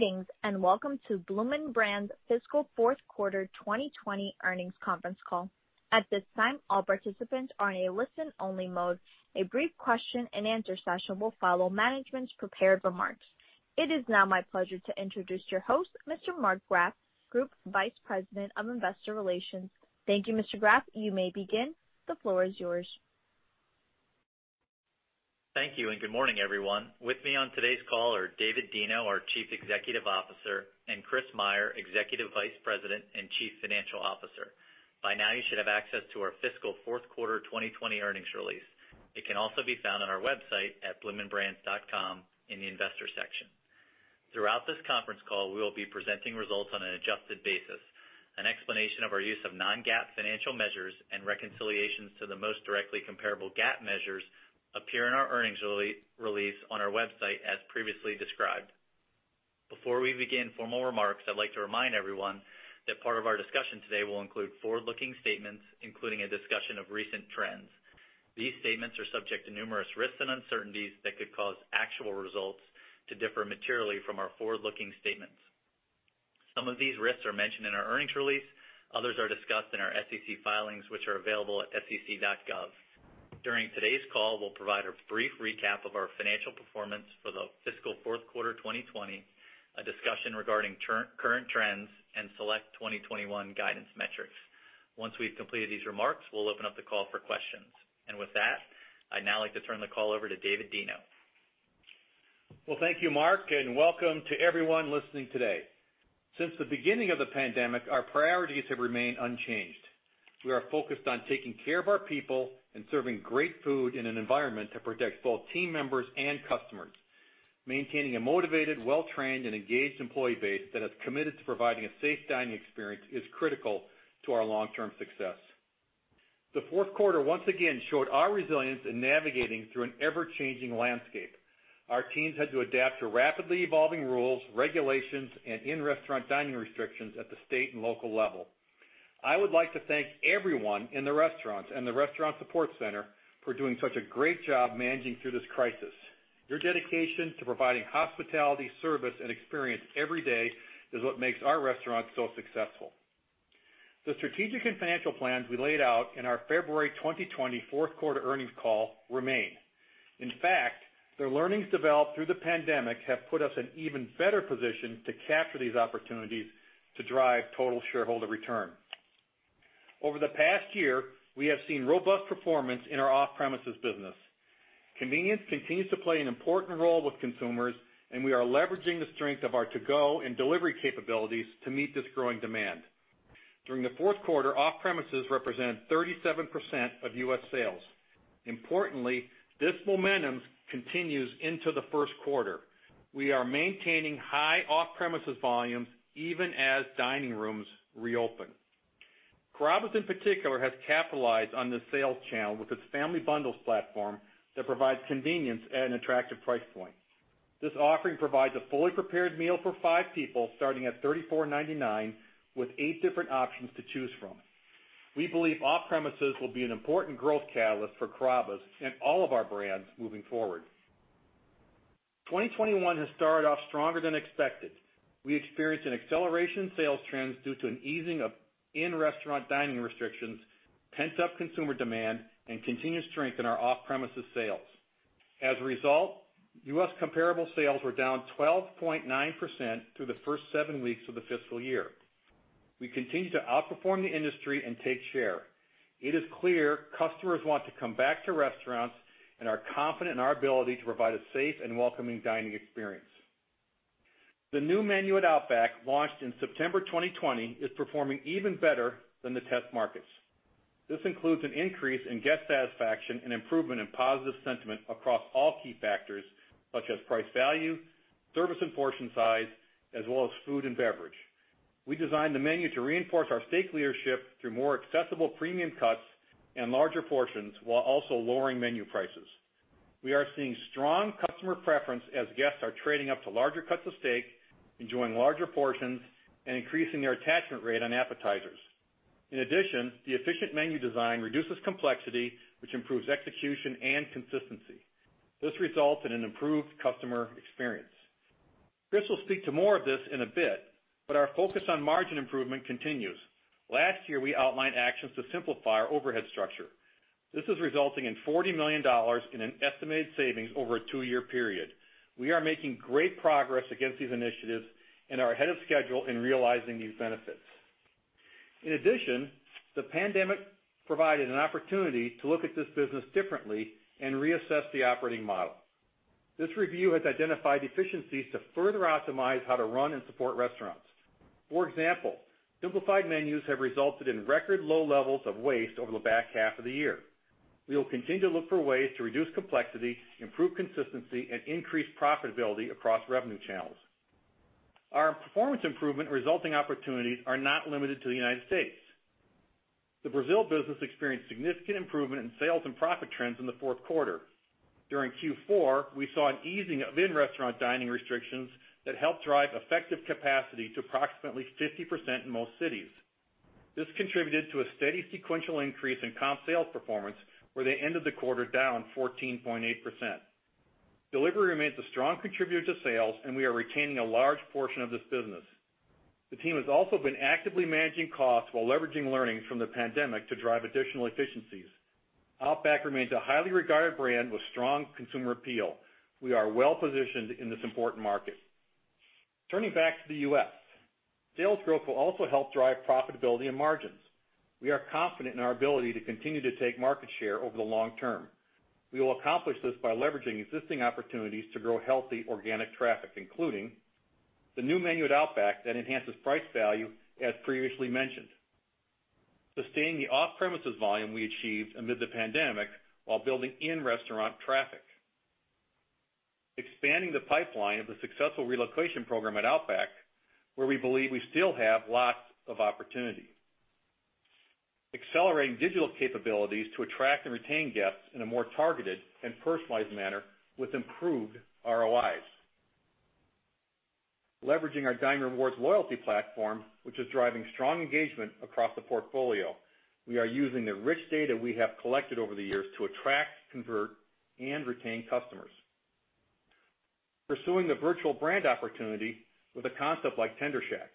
Greetings, welcome to Bloomin' Brands' fiscal fourth quarter 2020 earnings conference call. At this time, all participants are in a listen-only mode. A brief question and answer session will follow management's prepared remarks. It is now my pleasure to introduce your host, Mr. Mark Graff, Group Vice President of Investor Relations. Thank you, Mr. Graff. You may begin. The floor is yours. Thank you. Good morning, everyone. With me on today's call are David Deno, our Chief Executive Officer, and Chris Meyer, Executive Vice President and Chief Financial Officer. By now, you should have access to our fiscal fourth quarter 2020 earnings release. It can also be found on our website at bloominbrands.com in the Investor section. Throughout this conference call, we will be presenting results on an adjusted basis. An explanation of our use of non-GAAP financial measures and reconciliations to the most directly comparable GAAP measures appear in our earnings release on our website, as previously described. Before we begin formal remarks, I'd like to remind everyone that part of our discussion today will include forward-looking statements, including a discussion of recent trends. These statements are subject to numerous risks and uncertainties that could cause actual results to differ materially from our forward-looking statements. Some of these risks are mentioned in our earnings release. Others are discussed in our SEC filings, which are available at sec.gov. During today's call, we'll provide a brief recap of our financial performance for the fiscal fourth quarter 2020, a discussion regarding current trends, and select 2021 guidance metrics. Once we've completed these remarks, we'll open up the call for questions. With that, I'd now like to turn the call over to David Deno. Well, thank you, Mark, and welcome to everyone listening today. Since the beginning of the pandemic, our priorities have remained unchanged. We are focused on taking care of our people and serving great food in an environment that protects both team members and customers. Maintaining a motivated, well-trained, and engaged employee base that is committed to providing a safe dining experience is critical to our long-term success. The fourth quarter once again showed our resilience in navigating through an ever-changing landscape. Our teams had to adapt to rapidly evolving rules, regulations, and in-restaurant dining restrictions at the state and local level. I would like to thank everyone in the restaurants and the restaurant support center for doing such a great job managing through this crisis. Your dedication to providing hospitality, service, and experience every day is what makes our restaurants so successful. The strategic and financial plans we laid out in our February 2020 fourth quarter earnings call remain. In fact, the learnings developed through the pandemic have put us in even better position to capture these opportunities to drive total shareholder return. Over the past year, we have seen robust performance in our off-premises business. Convenience continues to play an important role with consumers, and we are leveraging the strength of our to-go and delivery capabilities to meet this growing demand. During the fourth quarter, off-premises represented 37% of U.S. sales. Importantly, this momentum continues into the first quarter. We are maintaining high off-premises volumes even as dining rooms reopen. Carrabba's in particular has capitalized on this sales channel with its Family Bundles platform that provides convenience at an attractive price point. This offering provides a fully prepared meal for five people, starting at $34.99, with eight different options to choose from. We believe off-premises will be an important growth catalyst for Carrabba's and all of our brands moving forward. 2021 has started off stronger than expected. We experienced an acceleration in sales trends due to an easing of in-restaurant dining restrictions, pent-up consumer demand, and continued strength in our off-premises sales. As a result, U.S. comparable sales were down 12.9% through the first seven weeks of the fiscal year. We continue to outperform the industry and take share. It is clear customers want to come back to restaurants and are confident in our ability to provide a safe and welcoming dining experience. The new menu at Outback, launched in September 2020, is performing even better than the test markets. This includes an increase in guest satisfaction and improvement in positive sentiment across all key factors such as price value, service and portion size, as well as food and beverage. We designed the menu to reinforce our steak leadership through more accessible premium cuts and larger portions while also lowering menu prices. We are seeing strong customer preference as guests are trading up to larger cuts of steak, enjoying larger portions, and increasing their attachment rate on appetizers. In addition, the efficient menu design reduces complexity, which improves execution and consistency. This results in an improved customer experience. Chris will speak to more of this in a bit, but our focus on margin improvement continues. Last year, we outlined actions to simplify our overhead structure. This is resulting in $40 million in an estimated savings over a two-year period. We are making great progress against these initiatives and are ahead of schedule in realizing these benefits. In addition, the pandemic provided an opportunity to look at this business differently and reassess the operating model. This review has identified efficiencies to further optimize how to run and support restaurants. For example, simplified menus have resulted in record low levels of waste over the back half of the year. We will continue to look for ways to reduce complexity, improve consistency, and increase profitability across revenue channels. Our performance improvement resulting opportunities are not limited to the United States. The Brazil business experienced significant improvement in sales and profit trends in the fourth quarter. During Q4, we saw an easing of in-restaurant dining restrictions that helped drive effective capacity to approximately 50% in most cities. This contributed to a steady sequential increase in comp sales performance, where they ended the quarter down 14.8%. Delivery remains a strong contributor to sales, and we are retaining a large portion of this business. The team has also been actively managing costs while leveraging learnings from the pandemic to drive additional efficiencies. Outback remains a highly regarded brand with strong consumer appeal. We are well-positioned in this important market. Turning back to the U.S., sales growth will also help drive profitability and margins. We are confident in our ability to continue to take market share over the long term. We will accomplish this by leveraging existing opportunities to grow healthy organic traffic, including the new menu at Outback that enhances price value, as previously mentioned. Sustaining the off-premises volume we achieved amid the pandemic while building in-restaurant traffic. Expanding the pipeline of the successful relocation program at Outback, where we believe we still have lots of opportunity. Accelerating digital capabilities to attract and retain guests in a more targeted and personalized manner with improved ROIs. Leveraging our Dine Rewards loyalty platform, which is driving strong engagement across the portfolio. We are using the rich data we have collected over the years to attract, convert, and retain customers. Pursuing the virtual brand opportunity with a concept like Tender Shack.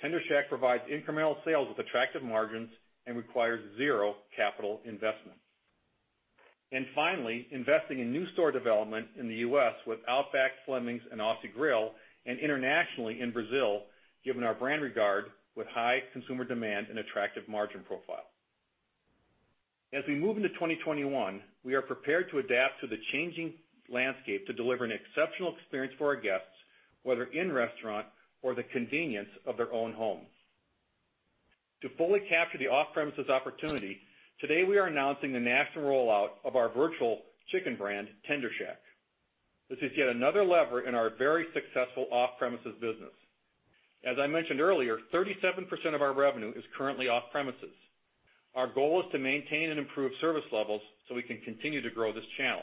Tender Shack provides incremental sales with attractive margins and requires zero capital investment. Finally, investing in new store development in the U.S. with Outback, Fleming's, and Aussie Grill, and internationally in Brazil, given our brand regard with high consumer demand and attractive margin profile. As we move into 2021, we are prepared to adapt to the changing landscape to deliver an exceptional experience for our guests, whether in restaurant or the convenience of their own homes. To fully capture the off-premises opportunity, today we are announcing the national rollout of our virtual chicken brand, Tender Shack. This is yet another lever in our very successful off-premises business. As I mentioned earlier, 37% of our revenue is currently off-premises. Our goal is to maintain and improve service levels so we can continue to grow this channel.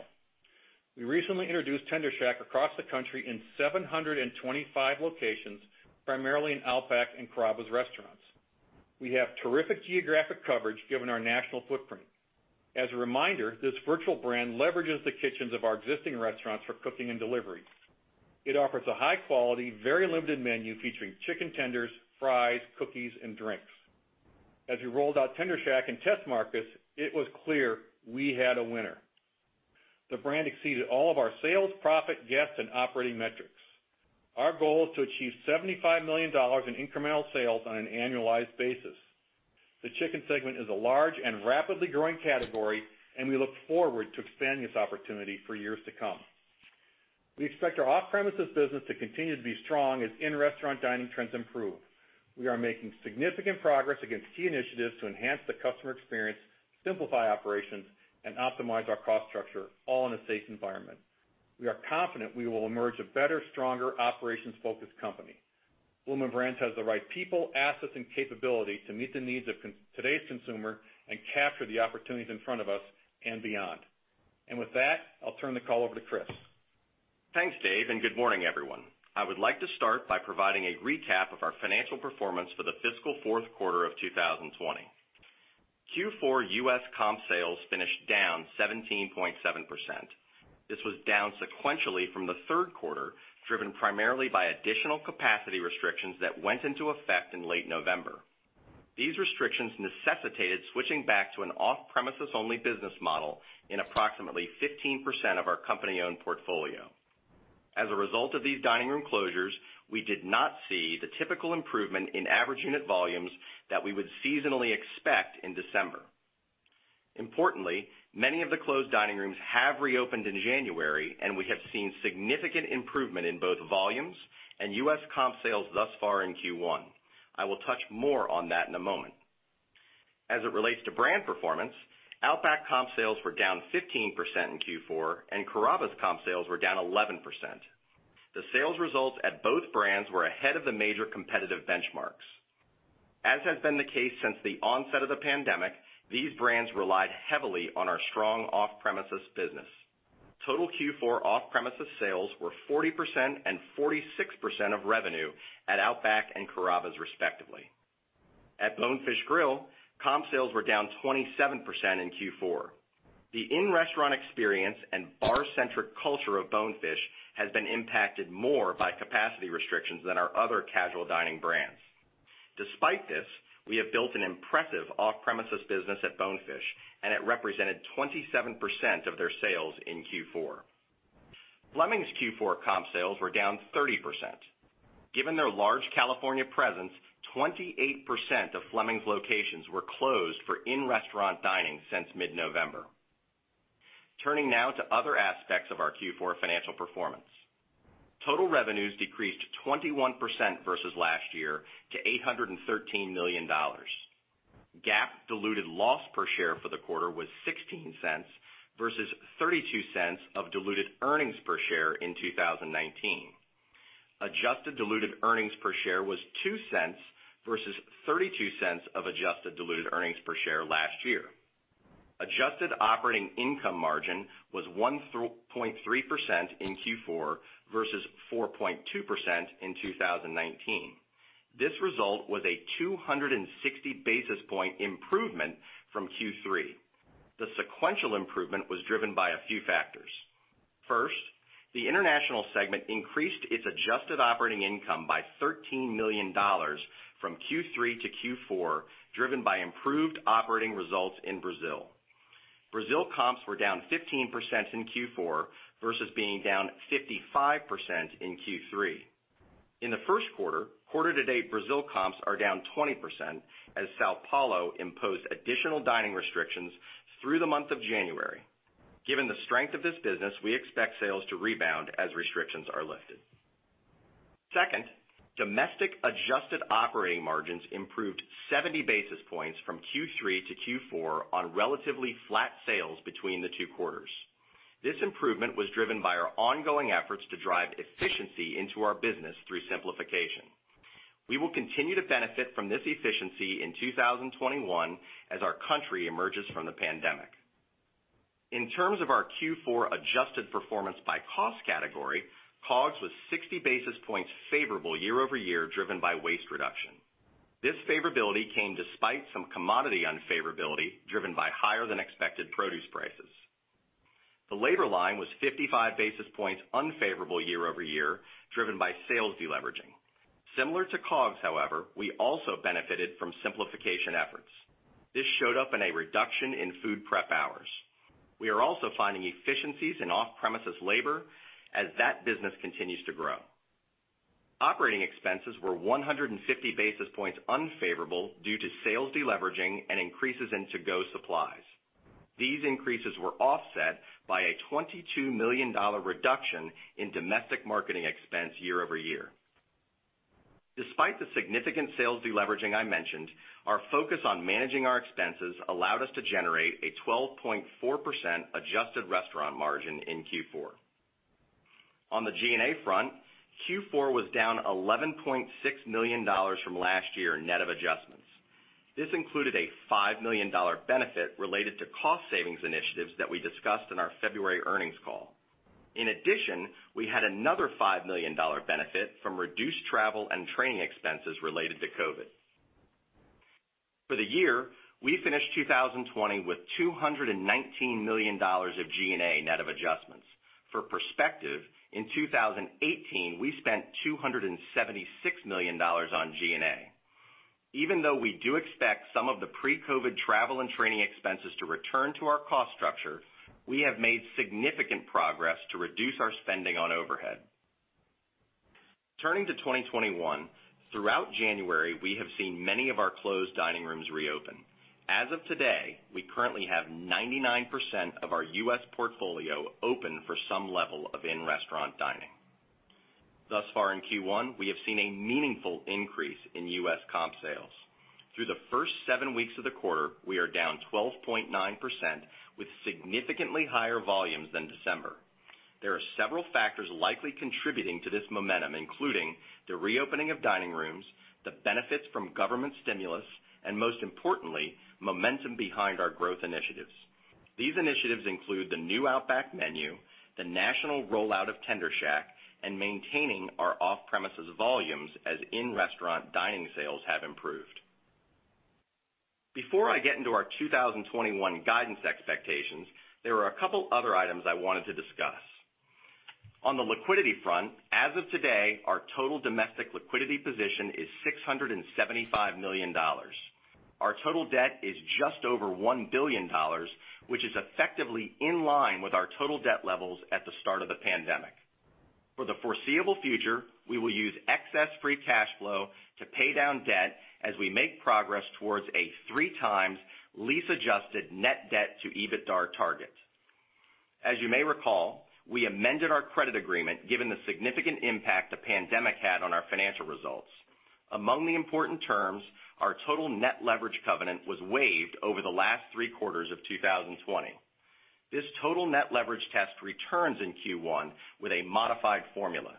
We recently introduced Tender Shack across the country in 725 locations, primarily in Outback and Carrabba's restaurants. We have terrific geographic coverage given our national footprint. As a reminder, this virtual brand leverages the kitchens of our existing restaurants for cooking and delivery. It offers a high-quality, very limited menu featuring chicken tenders, fries, cookies, and drinks. As we rolled out Tender Shack in test markets, it was clear we had a winner. The brand exceeded all of our sales, profit, guests, and operating metrics. Our goal is to achieve $75 million in incremental sales on an annualized basis. The chicken segment is a large and rapidly growing category, and we look forward to expanding this opportunity for years to come. We expect our off-premises business to continue to be strong as in-restaurant dining trends improve. We are making significant progress against key initiatives to enhance the customer experience, simplify operations, and optimize our cost structure, all in a safe environment. We are confident we will emerge a better, stronger, operations-focused company. Bloomin' Brands has the right people, assets, and capability to meet the needs of today's consumer and capture the opportunities in front of us and beyond. With that, I'll turn the call over to Chris. Thanks, Dave. Good morning, everyone. I would like to start by providing a recap of our financial performance for the fiscal fourth quarter of 2020. Q4 U.S. comp sales finished down 17.7%. This was down sequentially from the third quarter, driven primarily by additional capacity restrictions that went into effect in late November. These restrictions necessitated switching back to an off-premises-only business model in approximately 15% of our company-owned portfolio. As a result of these dining room closures, we did not see the typical improvement in average unit volumes that we would seasonally expect in December. Importantly, many of the closed dining rooms have reopened in January. We have seen significant improvement in both volumes and U.S. comp sales thus far in Q1. I will touch more on that in a moment. As it relates to brand performance, Outback comp sales were down 15% in Q4, and Carrabba's comp sales were down 11%. The sales results at both brands were ahead of the major competitive benchmarks. As has been the case since the onset of the pandemic, these brands relied heavily on our strong off-premises business. Total Q4 off-premises sales were 40% and 46% of revenue at Outback and Carrabba's, respectively. At Bonefish Grill, comp sales were down 27% in Q4. The in-restaurant experience and bar-centric culture of Bonefish has been impacted more by capacity restrictions than our other casual dining brands. Despite this, we have built an impressive off-premises business at Bonefish, and it represented 27% of their sales in Q4. Fleming's Q4 comp sales were down 30%. Given their large California presence, 28% of Fleming's locations were closed for in-restaurant dining since mid-November. Turning now to other aspects of our Q4 financial performance. Total revenues decreased 21% versus last year to $813 million. GAAP diluted loss per share for the quarter was $0.16 versus $0.32 of diluted earnings per share in 2019. Adjusted diluted earnings per share was $0.02 versus $0.32 of adjusted diluted earnings per share last year. Adjusted operating income margin was 1.3% in Q4 versus 4.2% in 2019. This result was a 260 basis point improvement from Q3. The sequential improvement was driven by a few factors. First, the international segment increased its adjusted operating income by $13 million from Q3 to Q4, driven by improved operating results in Brazil. Brazil comps were down 15% in Q4 versus being down 55% in Q3. In the first quarter, quarter-to-date Brazil comps are down 20% as São Paulo imposed additional dining restrictions through the month of January. Given the strength of this business, we expect sales to rebound as restrictions are lifted. Second, domestic adjusted operating margins improved 70 basis points from Q3 to Q4 on relatively flat sales between the two quarters. This improvement was driven by our ongoing efforts to drive efficiency into our business through simplification. We will continue to benefit from this efficiency in 2021 as our country emerges from the pandemic. In terms of our Q4 adjusted performance by cost category, COGS was 60 basis points favorable year-over-year, driven by waste reduction. This favorability came despite some commodity unfavorability, driven by higher than expected produce prices. The labor line was 55 basis points unfavorable year-over-year, driven by sales deleveraging. Similar to COGS, however, we also benefited from simplification efforts. This showed up in a reduction in food prep hours. We are also finding efficiencies in off-premises labor as that business continues to grow. Operating expenses were 150 basis points unfavorable due to sales deleveraging and increases in to-go supplies. These increases were offset by a $22 million reduction in domestic marketing expense year-over-year. Despite the significant sales deleveraging I mentioned, our focus on managing our expenses allowed us to generate a 12.4% adjusted restaurant margin in Q4. On the G&A front, Q4 was down $11.6 million from last year, net of adjustments. This included a $5 million benefit related to cost savings initiatives that we discussed in our February earnings call. We had another $5 million benefit from reduced travel and training expenses related to COVID. For the year, we finished 2020 with $219 million of G&A net of adjustments. For perspective, in 2018, we spent $276 million on G&A. Even though we do expect some of the pre-COVID travel and training expenses to return to our cost structure, we have made significant progress to reduce our spending on overhead. Turning to 2021, throughout January, we have seen many of our closed dining rooms reopen. As of today, we currently have 99% of our U.S. portfolio open for some level of in-restaurant dining. Thus far in Q1, we have seen a meaningful increase in U.S. comp sales. Through the first seven weeks of the quarter, we are down 12.9% with significantly higher volumes than December. There are several factors likely contributing to this momentum, including the reopening of dining rooms, the benefits from government stimulus, and most importantly, momentum behind our growth initiatives. These initiatives include the new Outback menu, the national rollout of Tender Shack, and maintaining our off-premises volumes as in-restaurant dining sales have improved. Before I get into our 2021 guidance expectations, there are a couple other items I wanted to discuss. On the liquidity front, as of today, our total domestic liquidity position is $675 million. Our total debt is just over $1 billion, which is effectively in line with our total debt levels at the start of the pandemic. For the foreseeable future, we will use excess free cash flow to pay down debt as we make progress towards a 3x lease adjusted net debt-to-EBITDA target. As you may recall, we amended our credit agreement given the significant impact the pandemic had on our financial results. Among the important terms, our total net leverage covenant was waived over the last three quarters of 2020. This total net leverage test returns in Q1 with a modified formula.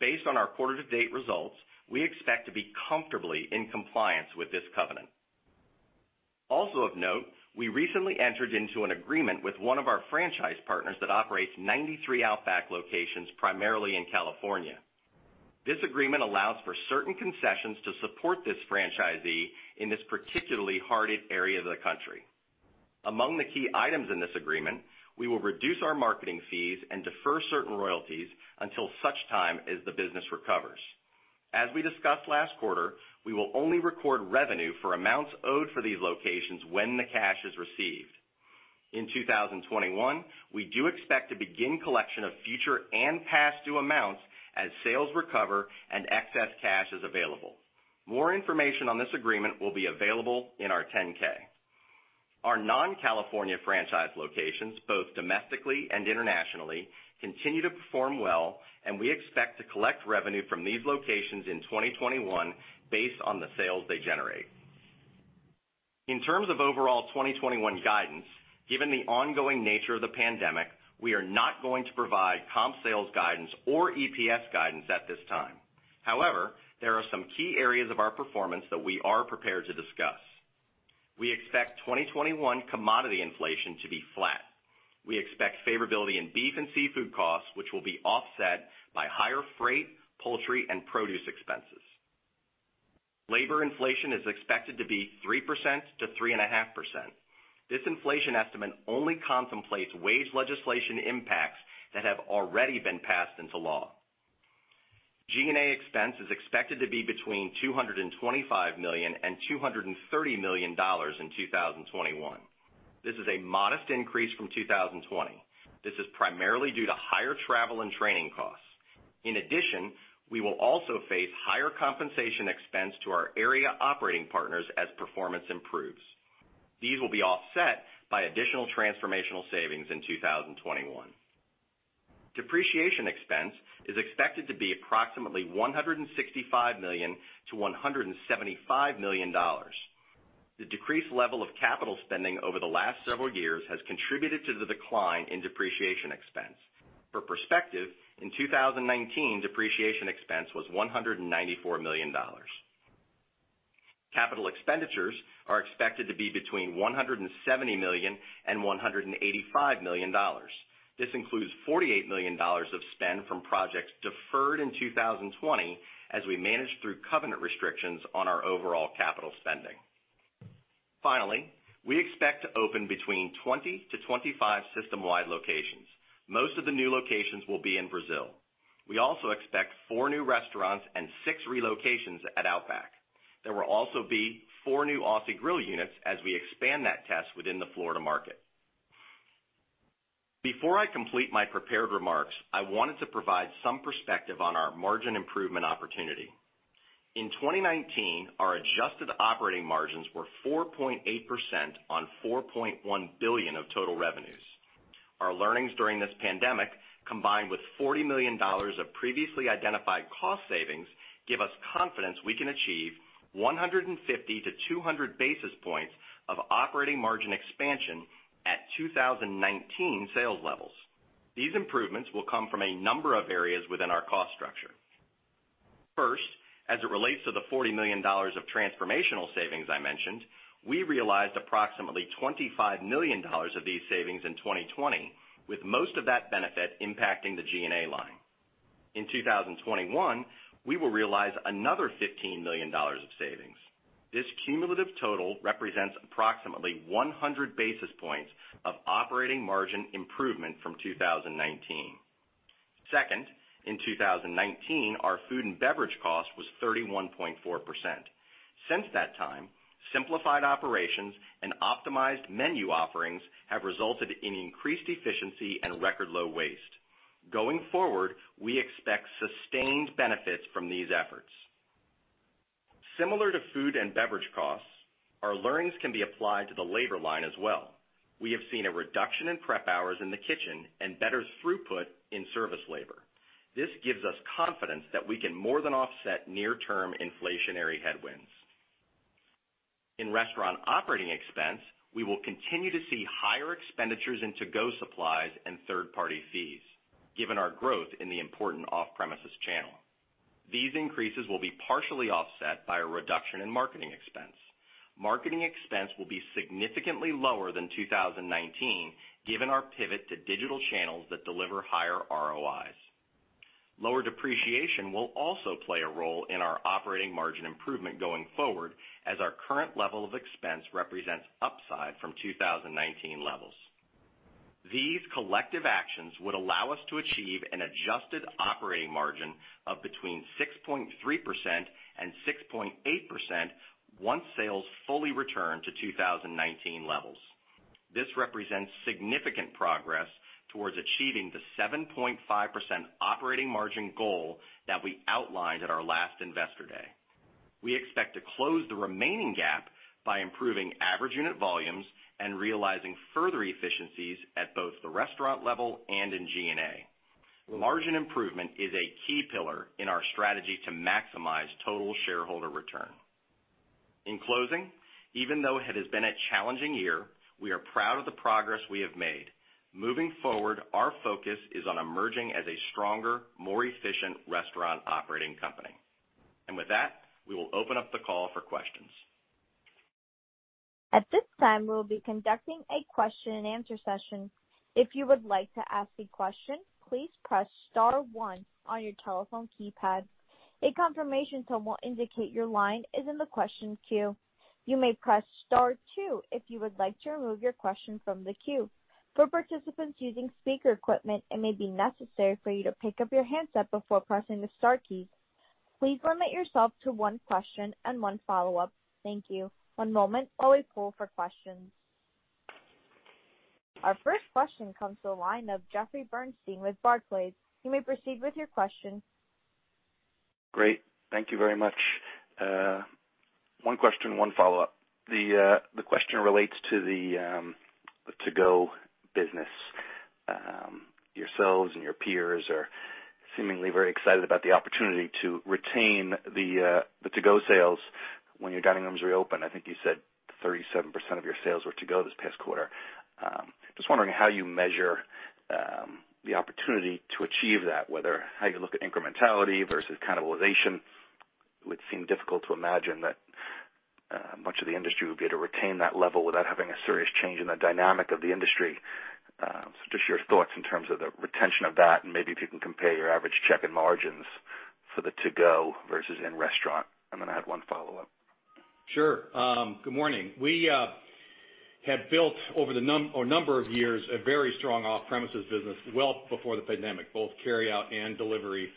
Based on our quarter-to-date results, we expect to be comfortably in compliance with this covenant. Also of note, we recently entered into an agreement with one of our franchise partners that operates 93 Outback locations, primarily in California. This agreement allows for certain concessions to support this franchisee in this particularly hard-hit area of the country. Among the key items in this agreement, we will reduce our marketing fees and defer certain royalties until such time as the business recovers. As we discussed last quarter, we will only record revenue for amounts owed for these locations when the cash is received. In 2021, we do expect to begin collection of future and past-due amounts as sales recover and excess cash is available. More information on this agreement will be available in our 10-K. Our non-California franchise locations, both domestically and internationally, continue to perform well, and we expect to collect revenue from these locations in 2021 based on the sales they generate. In terms of overall 2021 guidance, given the ongoing nature of the pandemic, we are not going to provide comp sales guidance or EPS guidance at this time. However, there are some key areas of our performance that we are prepared to discuss. We expect 2021 commodity inflation to be flat. We expect favorability in beef and seafood costs, which will be offset by higher freight, poultry, and produce expenses. Labor inflation is expected to be 3%-3.5%. This inflation estimate only contemplates wage legislation impacts that have already been passed into law. G&A expense is expected to be between $225 million and $230 million in 2021. This is a modest increase from 2020. This is primarily due to higher travel and training costs. In addition, we will also face higher compensation expense to our area operating partners as performance improves. These will be offset by additional transformational savings in 2021. Depreciation expense is expected to be approximately $165 million-$175 million. The decreased level of capital spending over the last several years has contributed to the decline in depreciation expense. For perspective, in 2019, depreciation expense was $194 million. Capital expenditures are expected to be between $170 million and $185 million. This includes $48 million of spend from projects deferred in 2020, as we managed through covenant restrictions on our overall capital spending. Finally, we expect to open between 20-25 system-wide locations. Most of the new locations will be in Brazil. We also expect four new restaurants and six relocations at Outback. There will also be four new Aussie Grill units as we expand that test within the Florida market. Before I complete my prepared remarks, I wanted to provide some perspective on our margin improvement opportunity. In 2019, our adjusted operating margins were 4.8% on $4.1 billion of total revenues. Our learnings during this pandemic, combined with $40 million of previously identified cost savings, give us confidence we can achieve 150 basis points to 200 basis points of operating margin expansion at 2019 sales levels. These improvements will come from a number of areas within our cost structure. First, as it relates to the $40 million of transformational savings I mentioned, we realized approximately $25 million of these savings in 2020, with most of that benefit impacting the G&A line. In 2021, we will realize another $15 million of savings. This cumulative total represents approximately 100 basis points of operating margin improvement from 2019. Second, in 2019, our food and beverage cost was 31.4%. Since that time, simplified operations and optimized menu offerings have resulted in increased efficiency and record low waste. Going forward, we expect sustained benefits from these efforts. Similar to food and beverage costs, our learnings can be applied to the labor line as well. We have seen a reduction in prep hours in the kitchen and better throughput in service labor. This gives us confidence that we can more than offset near-term inflationary headwinds. In restaurant operating expense, we will continue to see higher expenditures in to-go supplies and third-party fees, given our growth in the important off-premises channel. These increases will be partially offset by a reduction in marketing expense. Marketing expense will be significantly lower than 2019, given our pivot to digital channels that deliver higher ROIs. Lower depreciation will also play a role in our operating margin improvement going forward, as our current level of expense represents upside from 2019 levels. These collective actions would allow us to achieve an adjusted operating margin of between 6.3% and 6.8% once sales fully return to 2019 levels. This represents significant progress towards achieving the 7.5% operating margin goal that we outlined at our last Investor Day. We expect to close the remaining gap by improving average unit volumes and realizing further efficiencies at both the restaurant level and in G&A. Margin improvement is a key pillar in our strategy to maximize total shareholder return. In closing, even though it has been a challenging year, we are proud of the progress we have made. Moving forward, our focus is on emerging as a stronger, more efficient restaurant operating company. With that, we will open up the call for questions. At this time, we will be conducting a question-and-answer session. If you would like to ask a question, please press star one on your telephone keypad. A confirmation tone will indicate your line is in the question queue. You may press star two if you would like to remove your question from the queue. For participants using speaker equipment, it may be necessary for you to pick up your handset before pressing the star key. Please limit yourself to one question and one follow-up. Thank you. One moment while we poll for questions. Our first question comes to the line of Jeffrey Bernstein with Barclays. You may proceed with your question. Great. Thank you very much. One question, one follow-up. The question relates to the to-go business. Yourselves and your peers are seemingly very excited about the opportunity to retain the to-go sales when your dining rooms reopen. I think you said 37% of your sales were to-go this past quarter. Just wondering how you measure, the opportunity to achieve that, whether how you look at incrementality versus cannibalization. It would seem difficult to imagine that much of the industry would be able to retain that level without having a serious change in the dynamic of the industry. Just your thoughts in terms of the retention of that, and maybe if you can compare your average check-in margins for the to-go versus in-restaurant. Then I have one follow-up. Sure. Good morning. We have built over a number of years a very strong off-premises business well before the pandemic, both carryout and delivery,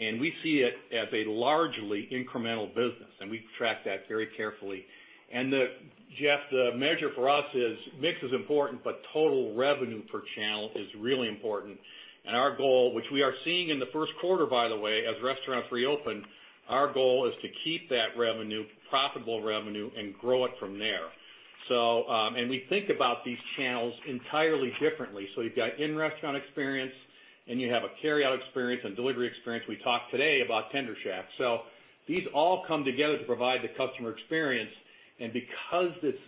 and we see it as a largely incremental business, and we track that very carefully. Jeff, the measure for us is mix is important, but total revenue per channel is really important. Our goal, which we are seeing in the first quarter, by the way, as restaurants reopen, our goal is to keep that revenue, profitable revenue, and grow it from there. We think about these channels entirely differently. You've got in-restaurant experience and you have a carryout experience and delivery experience. We talked today about Tender Shack. These all come together to provide the customer experience, and because it's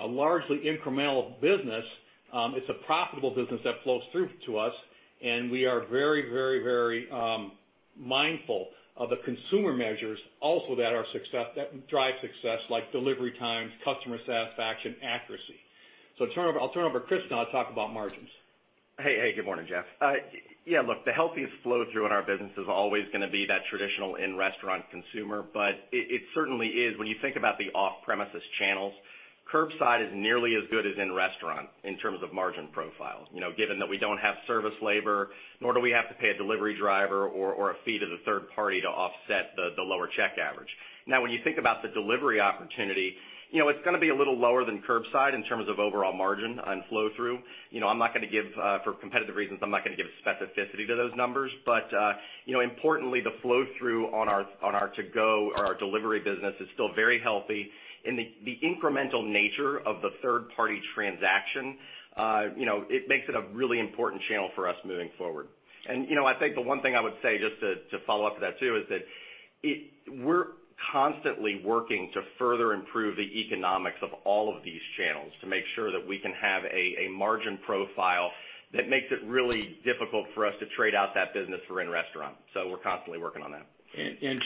a largely incremental business, it's a profitable business that flows through to us, and we are very mindful of the consumer measures also that drive success, like delivery times, customer satisfaction, accuracy. I'll turn over to Chris now to talk about margins. Good morning, Jeff. Yeah, look, the healthiest flow through in our business is always going to be that traditional in-restaurant consumer, but it certainly is. When you think about the off-premises channels, curbside is nearly as good as in-restaurant in terms of margin profile. Given that we don't have service labor, nor do we have to pay a delivery driver or a fee to the third-party to offset the lower check average. When you think about the delivery opportunity, it's going to be a little lower than curbside in terms of overall margin on flow-through. For competitive reasons, I'm not going to give specificity to those numbers, but importantly, the flow-through on our to-go or our delivery business is still very healthy. The incremental nature of the third-party transaction, it makes it a really important channel for us moving forward. I think the one thing I would say, just to follow up to that too, is that we're constantly working to further improve the economics of all of these channels to make sure that we can have a margin profile that makes it really difficult for us to trade out that business for in-restaurant. We're constantly working on that.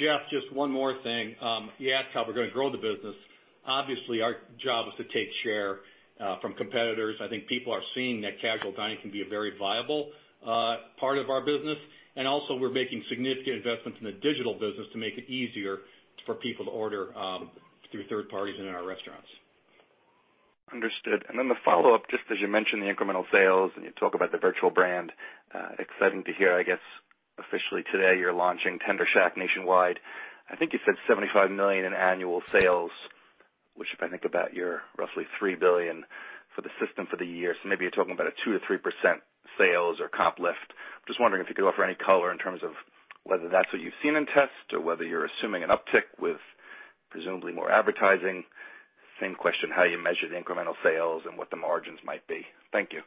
Jeff, just one more thing. You asked how we're going to grow the business. Obviously, our job is to take share from competitors. I think people are seeing that casual dining can be a very viable part of our business, and also we're making significant investments in the digital business to make it easier for people to order through third-parties and in our restaurants. Understood. Then the follow-up, just as you mentioned, the incremental sales, and you talk about the virtual brand, exciting to hear, I guess officially today, you're launching Tender Shack nationwide. I think you said $75 million in annual sales, which if I think about your roughly $3 billion for the system for the year. Maybe you're talking about a 2%-3% sales or comp lift. Just wondering if you could offer any color in terms of whether that's what you've seen in tests or whether you're assuming an uptick with presumably more advertising. Same question, how you measure the incremental sales and what the margins might be. Thank you.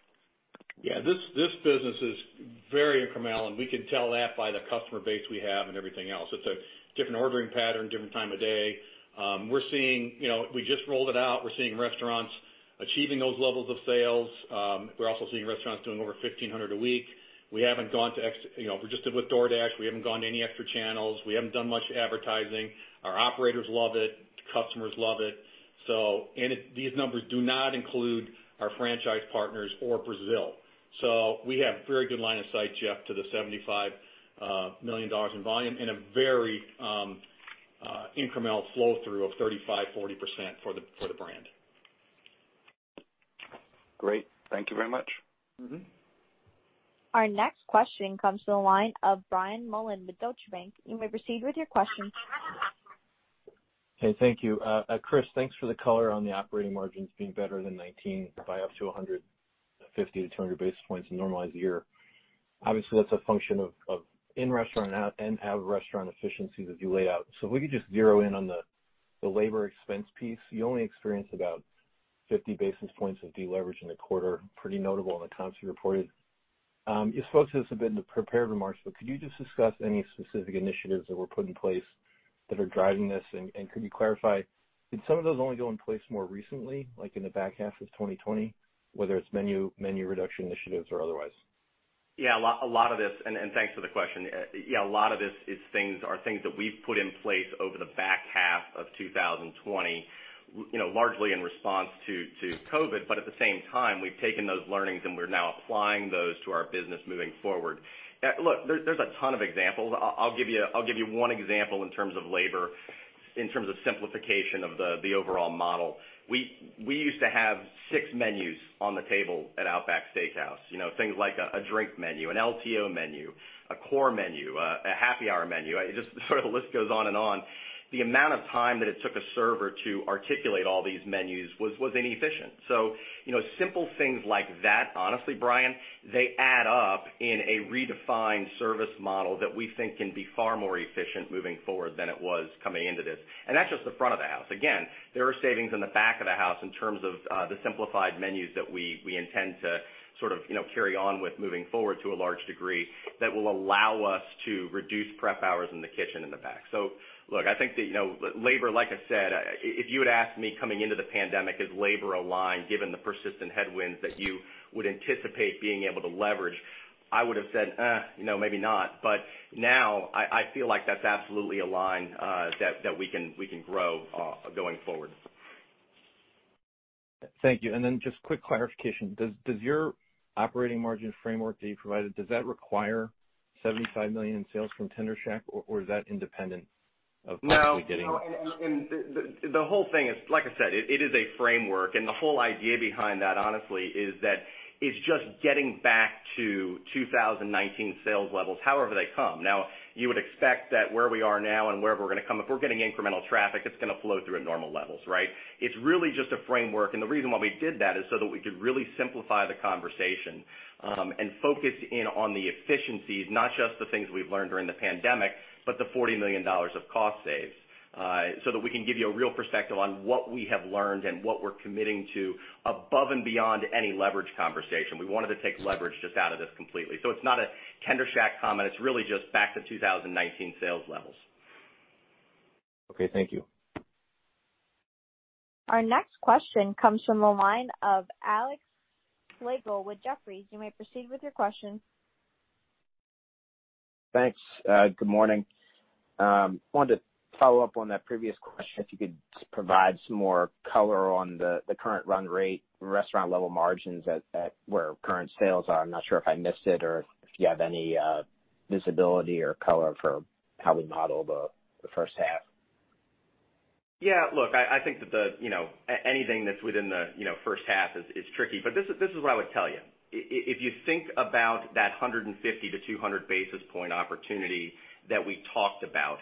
Yeah. This business is very incremental. We can tell that by the customer base we have and everything else. It's a different ordering pattern, different time of day. We just rolled it out. We're seeing restaurants achieving those levels of sales. We're also seeing restaurants doing over $1,500 a week. We're just with DoorDash. We haven't gone to any extra channels. We haven't done much advertising. Our operators love it. Customers love it. These numbers do not include our franchise partners or Brazil. We have very good line of sight, Jeff, to the $75 million in volume and a very incremental flow-through of 35%-40% for the brand. Great. Thank you very much. Our next question comes from the line of Brian Mullan with Deutsche Bank. You may proceed with your question. Okay. Thank you. Chris, thanks for the color on the operating margins being better than 2019 by up to 150 basis points-200 basis points in normalized year. That's a function of in-restaurant and out-of-restaurant efficiencies as you lay out. If we could just zero in on the labor expense piece. You only experienced about 50 basis points of deleverage in the quarter, pretty notable in the comps you reported. You spoke to this a bit in the prepared remarks, could you just discuss any specific initiatives that were put in place that are driving this? Could you clarify, did some of those only go in place more recently, like in the back half of 2020, whether it's menu reduction initiatives or otherwise? Yeah. Thanks for the question. A lot of this are things that we've put in place over the back half of 2020, largely in response to COVID. At the same time, we've taken those learnings, and we're now applying those to our business moving forward. Look, there's a ton of examples. I'll give you one example in terms of labor, in terms of simplification of the overall model. We used to have six menus on the table at Outback Steakhouse. Things like a drink menu, an LTO menu, a core menu, a happy hour menu. The list goes on and on. The amount of time that it took a server to articulate all these menus was inefficient. Simple things like that, honestly, Brian, they add up in a redefined service model that we think can be far more efficient moving forward than it was coming into this. That's just the front of the house. Again, there are savings in the back of the house in terms of the simplified menus that we intend to carry on with moving forward to a large degree that will allow us to reduce prep hours in the kitchen in the back. Look, I think that labor, like I said, if you had asked me coming into the pandemic, is labor a line, given the persistent headwinds that you would anticipate being able to leverage, I would have said, eh, maybe not. Now I feel like that's absolutely a line that we can grow going forward. Thank you. Then just quick clarification, does your operating margin framework that you provided, does that require $75 million in sales from Tender Shack, or is that independent? No. The whole thing is, like I said, it is a framework, and the whole idea behind that, honestly, is that it's just getting back to 2019 sales levels however they come. You would expect that where we are now and wherever we're going to come, if we're getting incremental traffic, it's going to flow through at normal levels, right? It's really just a framework. The reason why we did that is so that we could really simplify the conversation, and focus in on the efficiencies, not just the things we've learned during the pandemic, but the $40 million of cost saves, so that we can give you a real perspective on what we have learned and what we're committing to above and beyond any leverage conversation. We wanted to take leverage just out of this completely. It's not a Tender Shack comment. It's really just back to 2019 sales levels. Okay, thank you. Our next question comes from the line of Alex Slagle with Jefferies. You may proceed with your question. Thanks. Good morning. Wanted to follow up on that previous question, if you could provide some more color on the current run-rate restaurant level margins at where current sales are. I'm not sure if I missed it or if you have any visibility or color for how we model the first half. Yeah, look, I think that anything that's within the first half is tricky. This is what I would tell you. If you think about that 150 basis points-200 basis point opportunity that we talked about,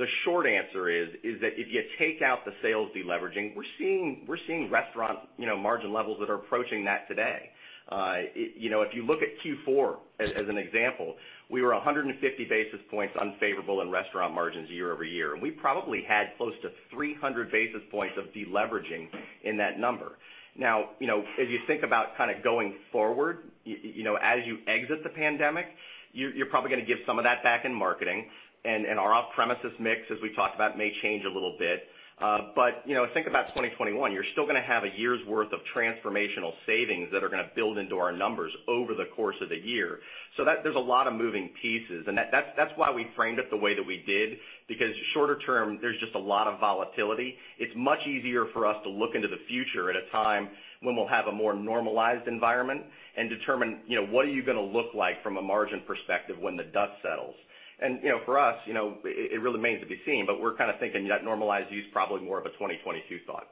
the short answer is that if you take out the sales deleveraging, we're seeing restaurant margin levels that are approaching that today. If you look at Q4 as an example, we were 150 basis points unfavorable in restaurant margins year-over-year, and we probably had close to 300 basis points of deleveraging in that number. Now, as you think about going forward, as you exit the pandemic, you're probably going to give some of that back in marketing. Our off-premises mix, as we talked about, may change a little bit. Think about 2021. You're still going to have a year's worth of transformational savings that are going to build into our numbers over the course of the year. There's a lot of moving pieces. That's why we framed it the way that we did, because shorter term, there's just a lot of volatility. It's much easier for us to look into the future at a time when we'll have a more normalized environment and determine what are you going to look like from a margin perspective when the dust settles. For us, it really remains to be seen, but we're thinking that normalized use probably more of a 2022 thought.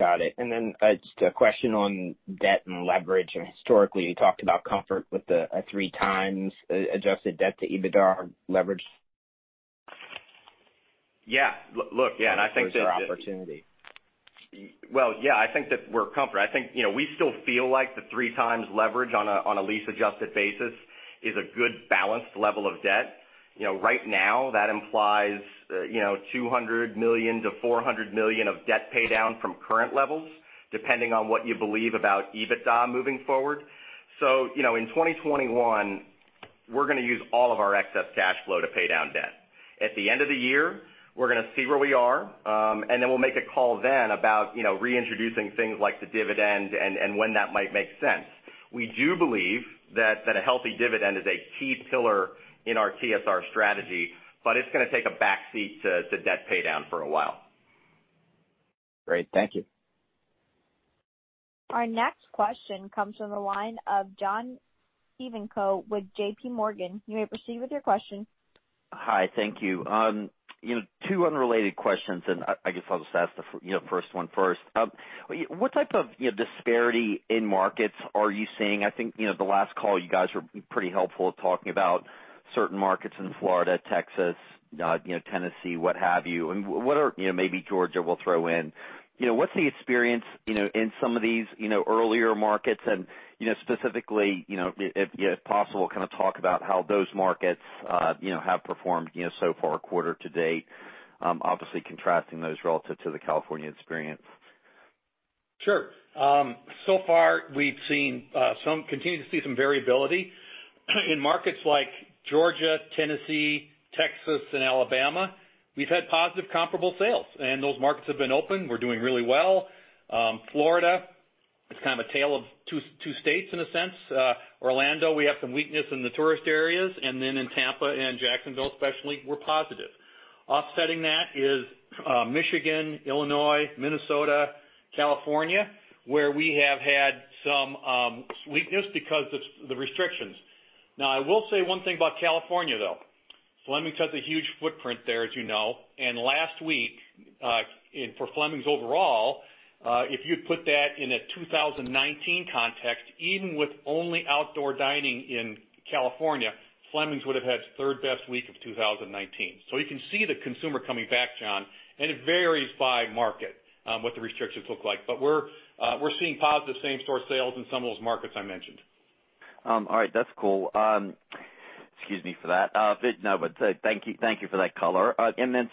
Got it. Then just a question on debt and leverage, and historically, you talked about comfort with the 3x adjusted debt-to-EBITDA leverage. Yeah. Look, Where is your opportunity? I think we still feel like the 3x leverage on a lease-adjusted basis is a good balanced level of debt. Right now, that implies $200 million-$400 million of debt paydown from current levels, depending on what you believe about EBITDA moving forward. In 2021, we're going to use all of our excess cash flow to pay down debt. At the end of the year, we're going to see where we are, we'll make a call then about reintroducing things like the dividend and when that might make sense. We do believe that a healthy dividend is a key pillar in our TSR strategy, it's going to take a back seat to debt paydown for a while. Great. Thank you. Our next question comes from the line of John Ivankoe with JPMorgan. You may proceed with your question. Hi, thank you. Two unrelated questions. I guess I'll just ask the first one first. What type of disparity in markets are you seeing? I think the last call, you guys were pretty helpful at talking about certain markets in Florida, Texas, Tennessee, what have you. Maybe Georgia we'll throw in. What's the experience in some of these earlier markets and specifically, if possible, talk about how those markets have performed so far quarter-to-date, obviously contrasting those relative to the California experience. Sure. So far we continue to see some variability. In markets like Georgia, Tennessee, Texas, and Alabama, we've had positive comparable sales, and those markets have been open. We're doing really well. Florida is a tale of two states in a sense. Orlando, we have some weakness in the tourist areas, and then in Tampa and Jacksonville especially, we're positive. Offsetting that is Michigan, Illinois, Minnesota, California, where we have had some weakness because of the restrictions. I will say one thing about California, though. Fleming's has a huge footprint there, as you know. Last week, for Fleming's overall, if you had put that in a 2019 context, even with only outdoor dining in California, Fleming's would have had its third-best week of 2019. You can see the consumer coming back, John, and it varies by market, what the restrictions look like. We're seeing positive same-store sales in some of those markets I mentioned. All right. That's cool. Excuse me for that. Thank you for that color.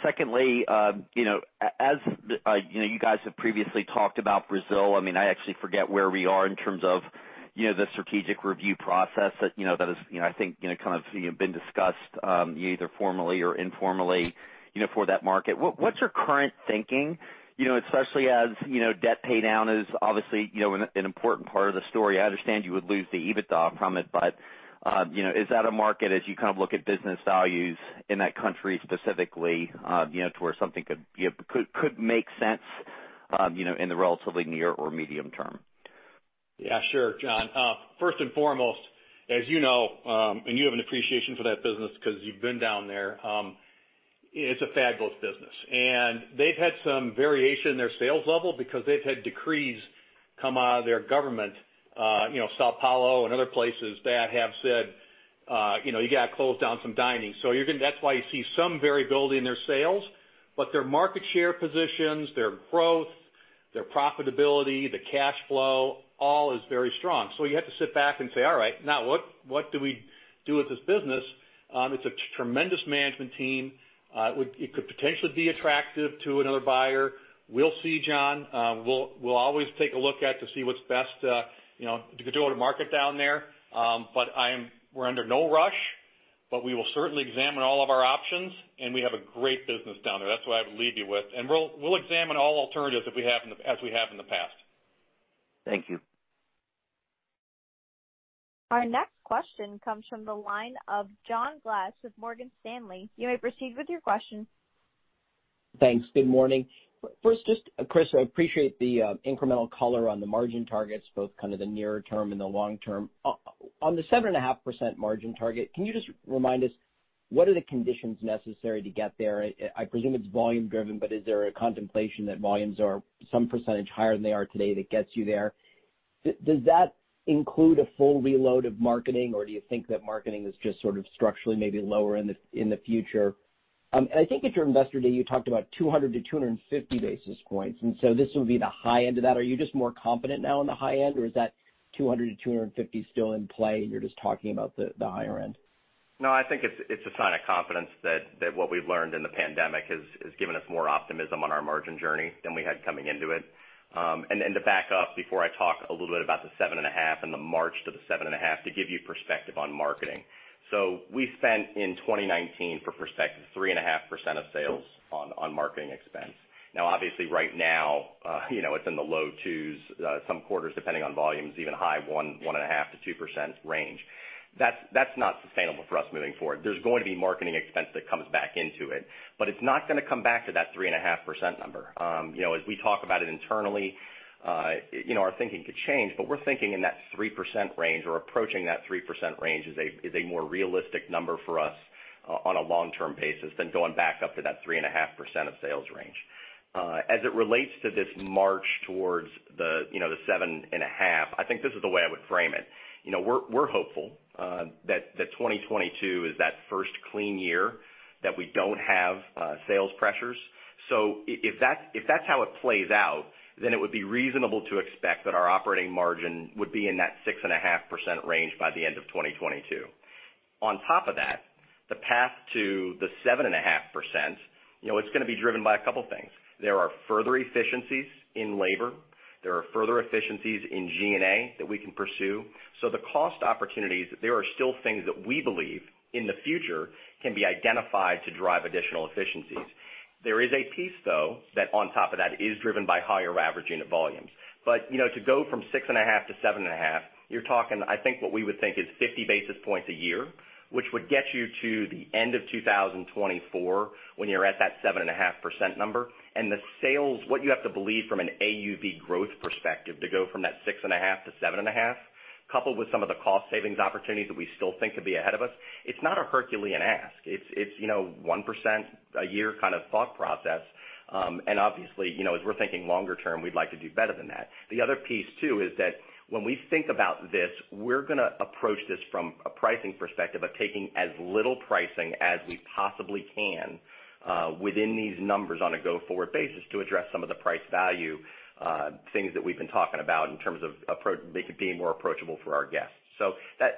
Secondly, as you guys have previously talked about Brazil, I actually forget where we are in terms of the strategic review process that I think kind of been discussed, either formally or informally, for that market. What's your current thinking? Especially as debt pay down is obviously an important part of the story. I understand you would lose the EBITDA from it, but is that a market as you kind of look at business values in that country specifically, to where something could make sense in the relatively near or medium term? Sure, John. First and foremost, as you know, and you have an appreciation for that business because you've been down there, it's a fabulous business. They've had some variation in their sales level because they've had decrees come out of their government, São Paulo and other places, that have said, you got to close down some dining. That's why you see some variability in their sales. Their market share positions, their growth, their profitability, the cash flow, all is very strong. You have to sit back and say, all right, now what do we do with this business? It's a tremendous management team. It could potentially be attractive to another buyer. We'll see, John. We'll always take a look at to see what's best to go-to market down there. We're under no rush, but we will certainly examine all of our options, and we have a great business down there. That's what I would leave you with, and we'll examine all alternatives as we have in the past. Thank you. Our next question comes from the line of John Glass with Morgan Stanley. You may proceed with your question. Thanks. Good morning. First, Chris, I appreciate the incremental color on the margin targets, both kind of the nearer term and the long term. On the 7.5% margin target, can you just remind us, what are the conditions necessary to get there? I presume it's volume driven, but is there a contemplation that volumes are some percentage higher than they are today that gets you there? Does that include a full reload of marketing, or do you think that marketing is just sort of structurally maybe lower in the future? I think at your Investor Day, you talked about 200 basis points-250 basis points, and so this would be the high end of that. Are you just more confident now on the high end, or is that 200 basis point-250 basis points still in play and you're just talking about the higher end? No, I think it's a sign of confidence that what we've learned in the pandemic has given us more optimism on our margin journey than we had coming into it. To back up before I talk a little bit about the 7.5% and the march to the 7.5%, to give you perspective on marketing. We spent in 2019, for perspective, 3.5% of sales on marketing expense. Now, obviously right now, it's in the low 2%s. Some quarters, depending on volumes, even high 1%, 1.5%-2% range. That's not sustainable for us moving forward. There's going to be marketing expense that comes back into it. It's not going to come back to that 3.5% number. As we talk about it internally, our thinking could change. We're thinking in that 3% range or approaching that 3% range is a more realistic number for us on a long-term basis than going back up to that 3.5% of sales range. As it relates to this march towards the 7.5%, I think this is the way I would frame it. We're hopeful that 2022 is that first clean year that we don't have sales pressures. If that's how it plays out, it would be reasonable to expect that our operating margin would be in that 6.5% range by the end of 2022. On top of that, the path to the 7.5%, it's going to be driven by a couple things. There are further efficiencies in labor. There are further efficiencies in G&A that we can pursue. The cost opportunities, there are still things that we believe, in the future, can be identified to drive additional efficiencies. There is a piece, though, that on top of that is driven by higher average unit volumes. To go from 6.5% to 7.5%, you're talking, I think what we would think is 50 basis points a year, which would get you to the end of 2024 when you're at that 7.5% number. The sales, what you have to believe from an AUV growth perspective to go from that 6.5% to 7.5%, coupled with some of the cost savings opportunities that we still think could be ahead of us, it's not a Herculean ask. It's 1% a year kind of thought process. Obviously, as we're thinking longer term, we'd like to do better than that. The other piece, too, is that when we think about this, we're going to approach this from a pricing perspective of taking as little pricing as we possibly can within these numbers on a go-forward basis to address some of the price value things that we've been talking about in terms of being more approachable for our guests.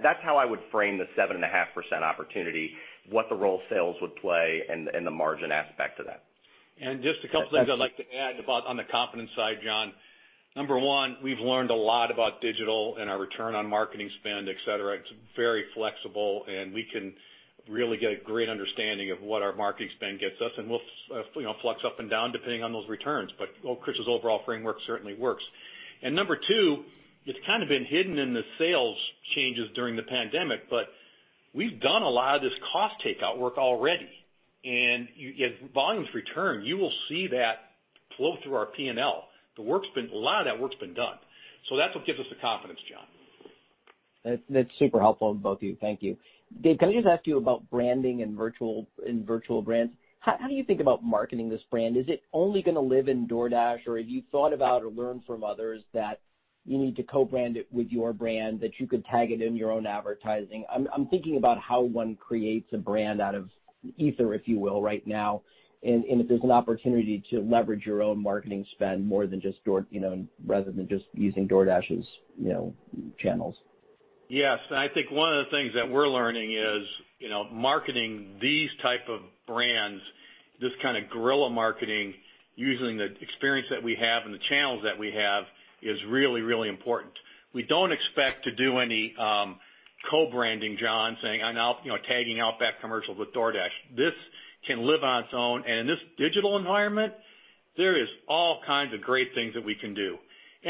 That's how I would frame the 7.5% opportunity, what the role sales would play and the margin aspect to that. Just a couple things I'd like to add about on the confidence side, John. Number one, we've learned a lot about digital and our return on marketing spend, et cetera. It's very flexible, and we can really get a great understanding of what our marketing spend gets us, and we'll flex up and down depending on those returns. Chris' overall framework certainly works. Number two, it's kind of been hidden in the sales changes during the pandemic, but we've done a lot of this cost takeout work already. As volumes return, you will see that flow through our P&L. A lot of that work's been done. That's what gives us the confidence, John. That's super helpful, both of you. Thank you. Dave, can I just ask you about branding and virtual brands? How do you think about marketing this brand? Is it only going to live in DoorDash, or have you thought about or learned from others that you need to co-brand it with your brand, that you could tag it in your own advertising? I'm thinking about how one creates a brand out of ether, if you will, right now, and if there's an opportunity to leverage your own marketing spend rather than just using DoorDash's channels. Yes. I think one of the things that we're learning is marketing these type of brands, this kind of guerrilla marketing, using the experience that we have and the channels that we have, is really, really important. We don't expect to do any co-branding, John, saying tagging Outback commercials with DoorDash. This can live on its own. In this digital environment, there is all kinds of great things that we can do.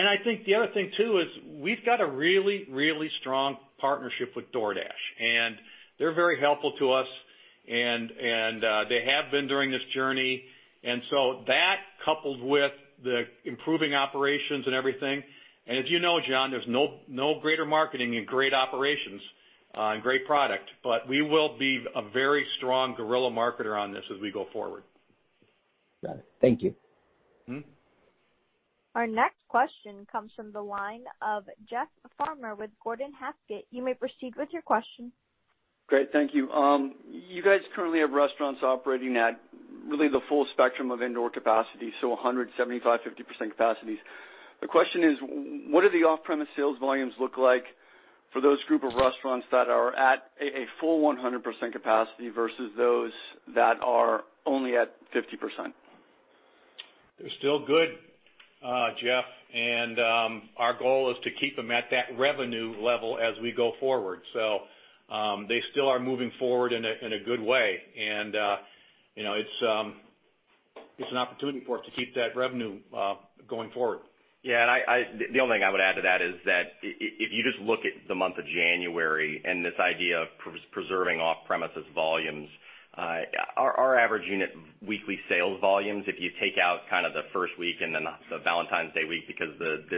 I think the other thing too is we've got a really, really strong partnership with DoorDash, and they're very helpful to us and they have been during this journey. That coupled with the improving operations and everything, and as you know, John, there's no greater marketing in great operations and great product, but we will be a very strong guerrilla marketer on this as we go forward. Got it. Thank you. Our next question comes from the line of Jeff Farmer with Gordon Haskett. You may proceed with your question. Great. Thank you. You guys currently have restaurants operating at really the full spectrum of indoor capacity, so 100%, 75%, 50% capacities. The question is, what do the off-premise sales volumes look like for those group of restaurants that are at a full 100% capacity versus those that are only at 50%? They're still good, Jeff, our goal is to keep them at that revenue level as we go forward. They still are moving forward in a good way and it's an opportunity for us to keep that revenue going forward. The only thing I would add to that is that if you just look at the month of January and this idea of preserving off-premises volumes, our average unit weekly sales volumes, if you take out kind of the first week and then the Valentine's Day week because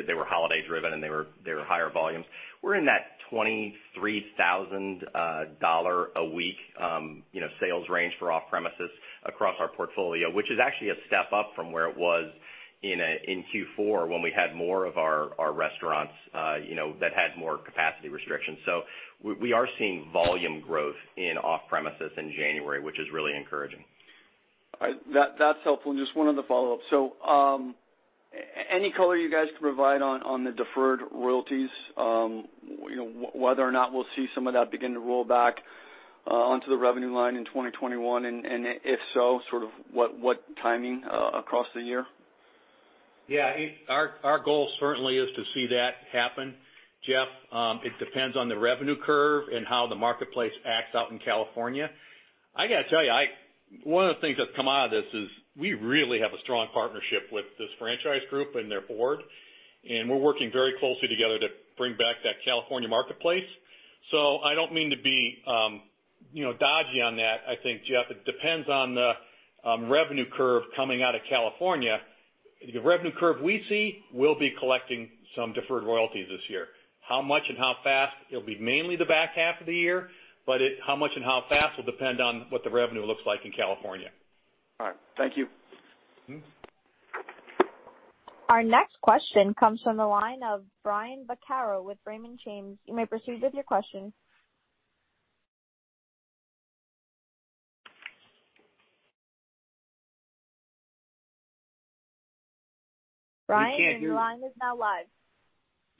they were holiday driven and they were higher volumes, we're in that $23,000 a week sales range for off-premises across our portfolio, which is actually a step up from where it was in Q4 when we had more of our restaurants that had more capacity restrictions. We are seeing volume growth in off premises in January, which is really encouraging. All right. That's helpful. Just one other follow-up. Any color you guys can provide on the deferred royalties, whether or not we'll see some of that begin to roll back onto the revenue line in 2021, and if so, sort of what timing across the year? Yeah. Our goal certainly is to see that happen, Jeff. It depends on the revenue curve and how the marketplace acts out in California. I got to tell you, one of the things that's come out of this is we really have a strong partnership with this franchise group and their board, and we're working very closely together to bring back that California marketplace. I don't mean to be dodgy on that. I think, Jeff, it depends on the revenue curve coming out of California. The revenue curve we see will be collecting some deferred royalties this year. How much and how fast? It'll be mainly the back half of the year, but how much and how fast will depend on what the revenue looks like in California. All right. Thank you. Our next question comes from the line of Brian Vaccaro with Raymond James.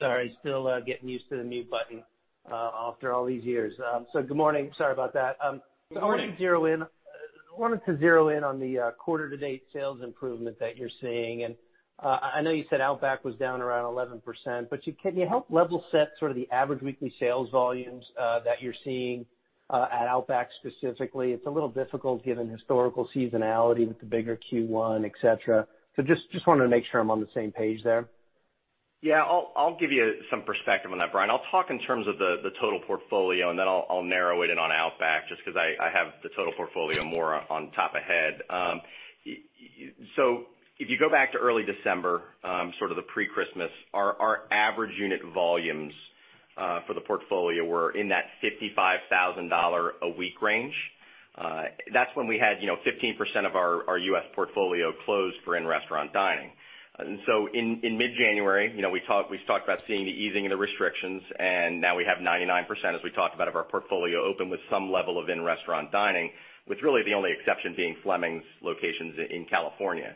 Sorry, still getting used to the mute button after all these years. Good morning. Sorry about that. Good morning. I wanted to zero in on the quarter-to-date sales improvement that you're seeing, I know you said Outback was down around 11%, but can you help level set sort of the average weekly sales volumes that you're seeing at Outback specifically? It's a little difficult given historical seasonality with the bigger Q1, et cetera. Just wanted to make sure I'm on the same page there. Yeah, I'll give you some perspective on that, Brian. I'll talk in terms of the total portfolio, then I'll narrow it in on Outback just because I have the total portfolio more on top of head. If you go back to early December, sort of the pre-Christmas, our average unit volumes for the portfolio were in that $55,000 a week range. That's when we had 15% of our U.S. portfolio closed for in-restaurant dining. In mid-January, we talked about seeing the easing of the restrictions, and now we have 99%, as we talked about, of our portfolio open with some level of in-restaurant dining, with really the only exception being Fleming's locations in California.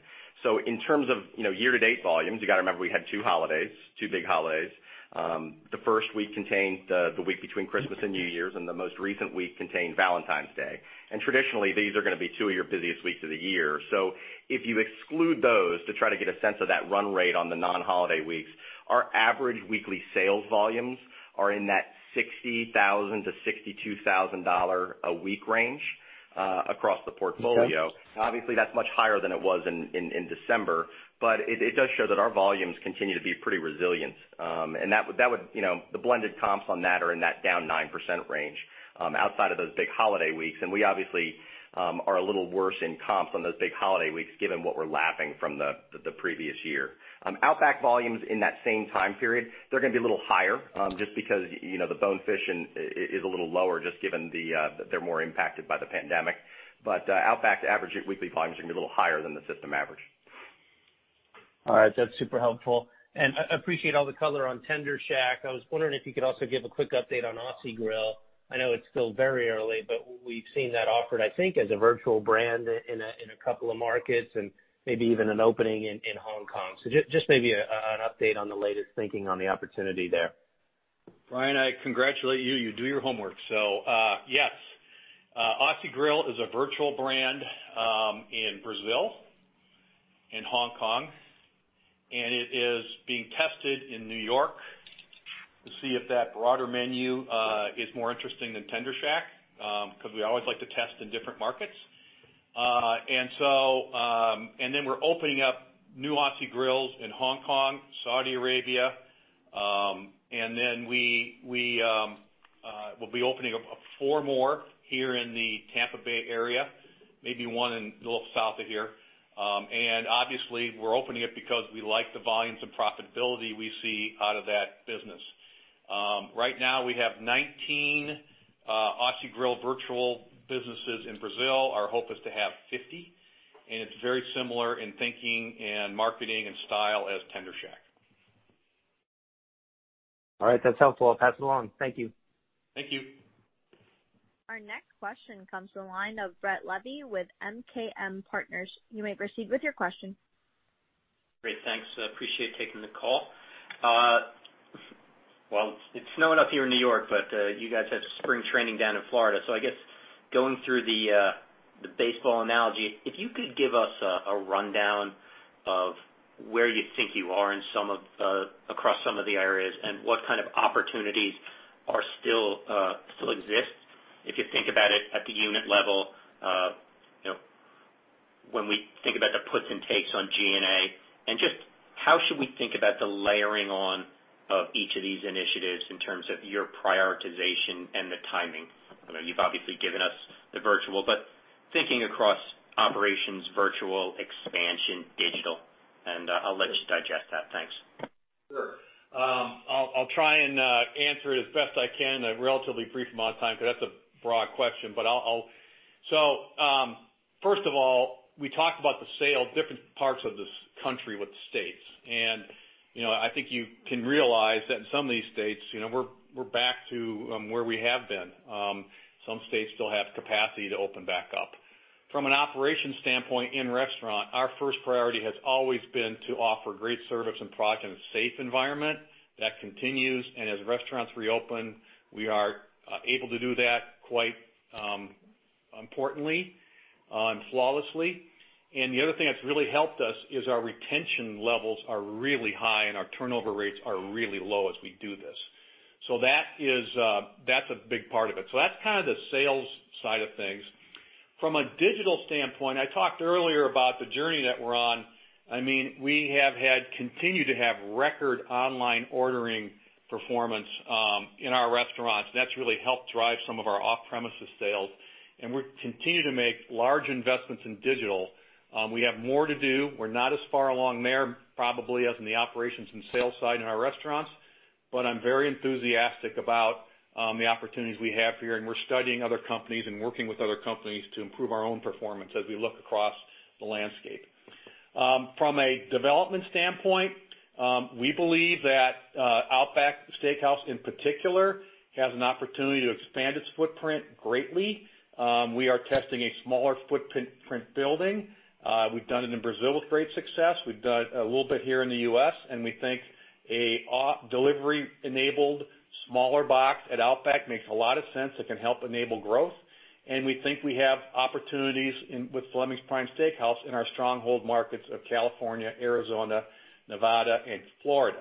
In terms of year-to-date volumes, you got to remember we had two holidays, two big holidays. The first week contained the week between Christmas and New Year's, and the most recent week contained Valentine's Day. Traditionally, these are going to be two of your busiest weeks of the year. If you exclude those to try to get a sense of that run-rate on the non-holiday weeks, our average weekly sales volumes are in that $60,000-$62,000 a week range across the portfolio. Okay. That's much higher than it was in December, but it does show that our volumes continue to be pretty resilient. The blended comps on that are in that down 9% range outside of those big holiday weeks, and we obviously are a little worse in comps on those big holiday weeks given what we're lapping from the previous year. Outback volumes in that same time period, they're going to be a little higher, just because the Bonefish is a little lower just given they're more impacted by the pandemic. Outback's average weekly volumes are going to be a little higher than the system average. All right. That's super helpful, and I appreciate all the color on Tender Shack. I was wondering if you could also give a quick update on Aussie Grill. I know it's still very early, but we've seen that offered, I think, as a virtual brand in a couple of markets and maybe even an opening in Hong Kong. Just maybe an update on the latest thinking on the opportunity there. Brian, I congratulate you. You do your homework. Yes. Aussie Grill is a virtual brand in Brazil, in Hong Kong, and it is being tested in New York to see if that broader menu is more interesting than Tender Shack, because we always like to test in different markets. Then we're opening up new Aussie Grills in Hong Kong, Saudi Arabia, then we'll be opening up four more here in the Tampa Bay area, maybe one a little south of here. Obviously, we're opening it because we like the volumes and profitability we see out of that business. Right now, we have 19 Aussie Grill virtual businesses in Brazil. Our hope is to have 50, and it's very similar in thinking and marketing and style as Tender Shack. All right, that's helpful. I'll pass it along. Thank you. Thank you. Our next question comes from the line of Brett Levy with MKM Partners. You may proceed with your question. Great, thanks. Appreciate taking the call. Well, it's snowing up here in New York, but you guys have spring training down in Florida. I guess going through the baseball analogy, if you could give us a rundown of where you think you are across some of the areas and what kind of opportunities still exist, if you think about it at the unit level, when we think about the puts and takes on G&A, and just how should we think about the layering on of each of these initiatives in terms of your prioritization and the timing? I know you've obviously given us the virtual, thinking across operations, virtual, expansion, digital. I'll let you digest that. Thanks. Sure. I'll try and answer it as best I can in a relatively brief amount of time, because that's a broad question. First of all, we talked about the sale of different parts of this country with the states. I think you can realize that in some of these states, we're back to where we have been. Some states still have capacity to open back up. From an operations standpoint in restaurant, our first priority has always been to offer great service and product in a safe environment. That continues, as restaurants reopen, we are able to do that quite importantly and flawlessly. The other thing that's really helped us is our retention levels are really high and our turnover rates are really low as we do this. That's a big part of it. That's kind of the sales side of things. From a digital standpoint, I talked earlier about the journey that we're on. We have continued to have record online ordering performance in our restaurants. That's really helped drive some of our off-premises sales, and we continue to make large investments in digital. We have more to do. We're not as far along there probably as in the operations and sales side in our restaurants, but I'm very enthusiastic about the opportunities we have here, and we're studying other companies and working with other companies to improve our own performance as we look across the landscape. From a development standpoint, we believe that Outback Steakhouse, in particular, has an opportunity to expand its footprint greatly. We are testing a smaller footprint building. We've done it in Brazil with great success. We've done it a little bit here in the U.S., we think a delivery-enabled smaller box at Outback makes a lot of sense. It can help enable growth. We think we have opportunities with Fleming's Prime Steakhouse in our stronghold markets of California, Arizona, Nevada, and Florida.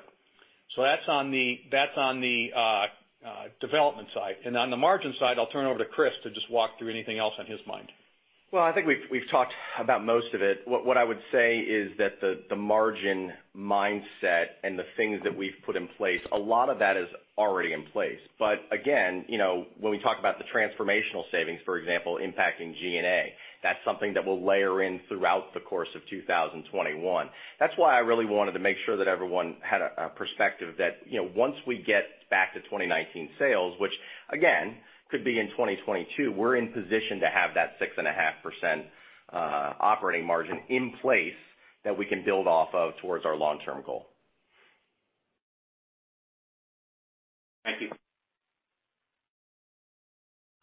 That's on the development side. On the margin side, I'll turn it over to Chris to just walk through anything else on his mind. I think we've talked about most of it. What I would say is that the margin mindset and the things that we've put in place, a lot of that is already in place. Again, when we talk about the transformational savings, for example, impacting G&A, that's something that we'll layer in throughout the course of 2021. That's why I really wanted to make sure that everyone had a perspective that once we get back to 2019 sales, which again, could be in 2022, we're in position to have that 6.5% operating margin in place that we can build off of towards our long-term goal. Thank you.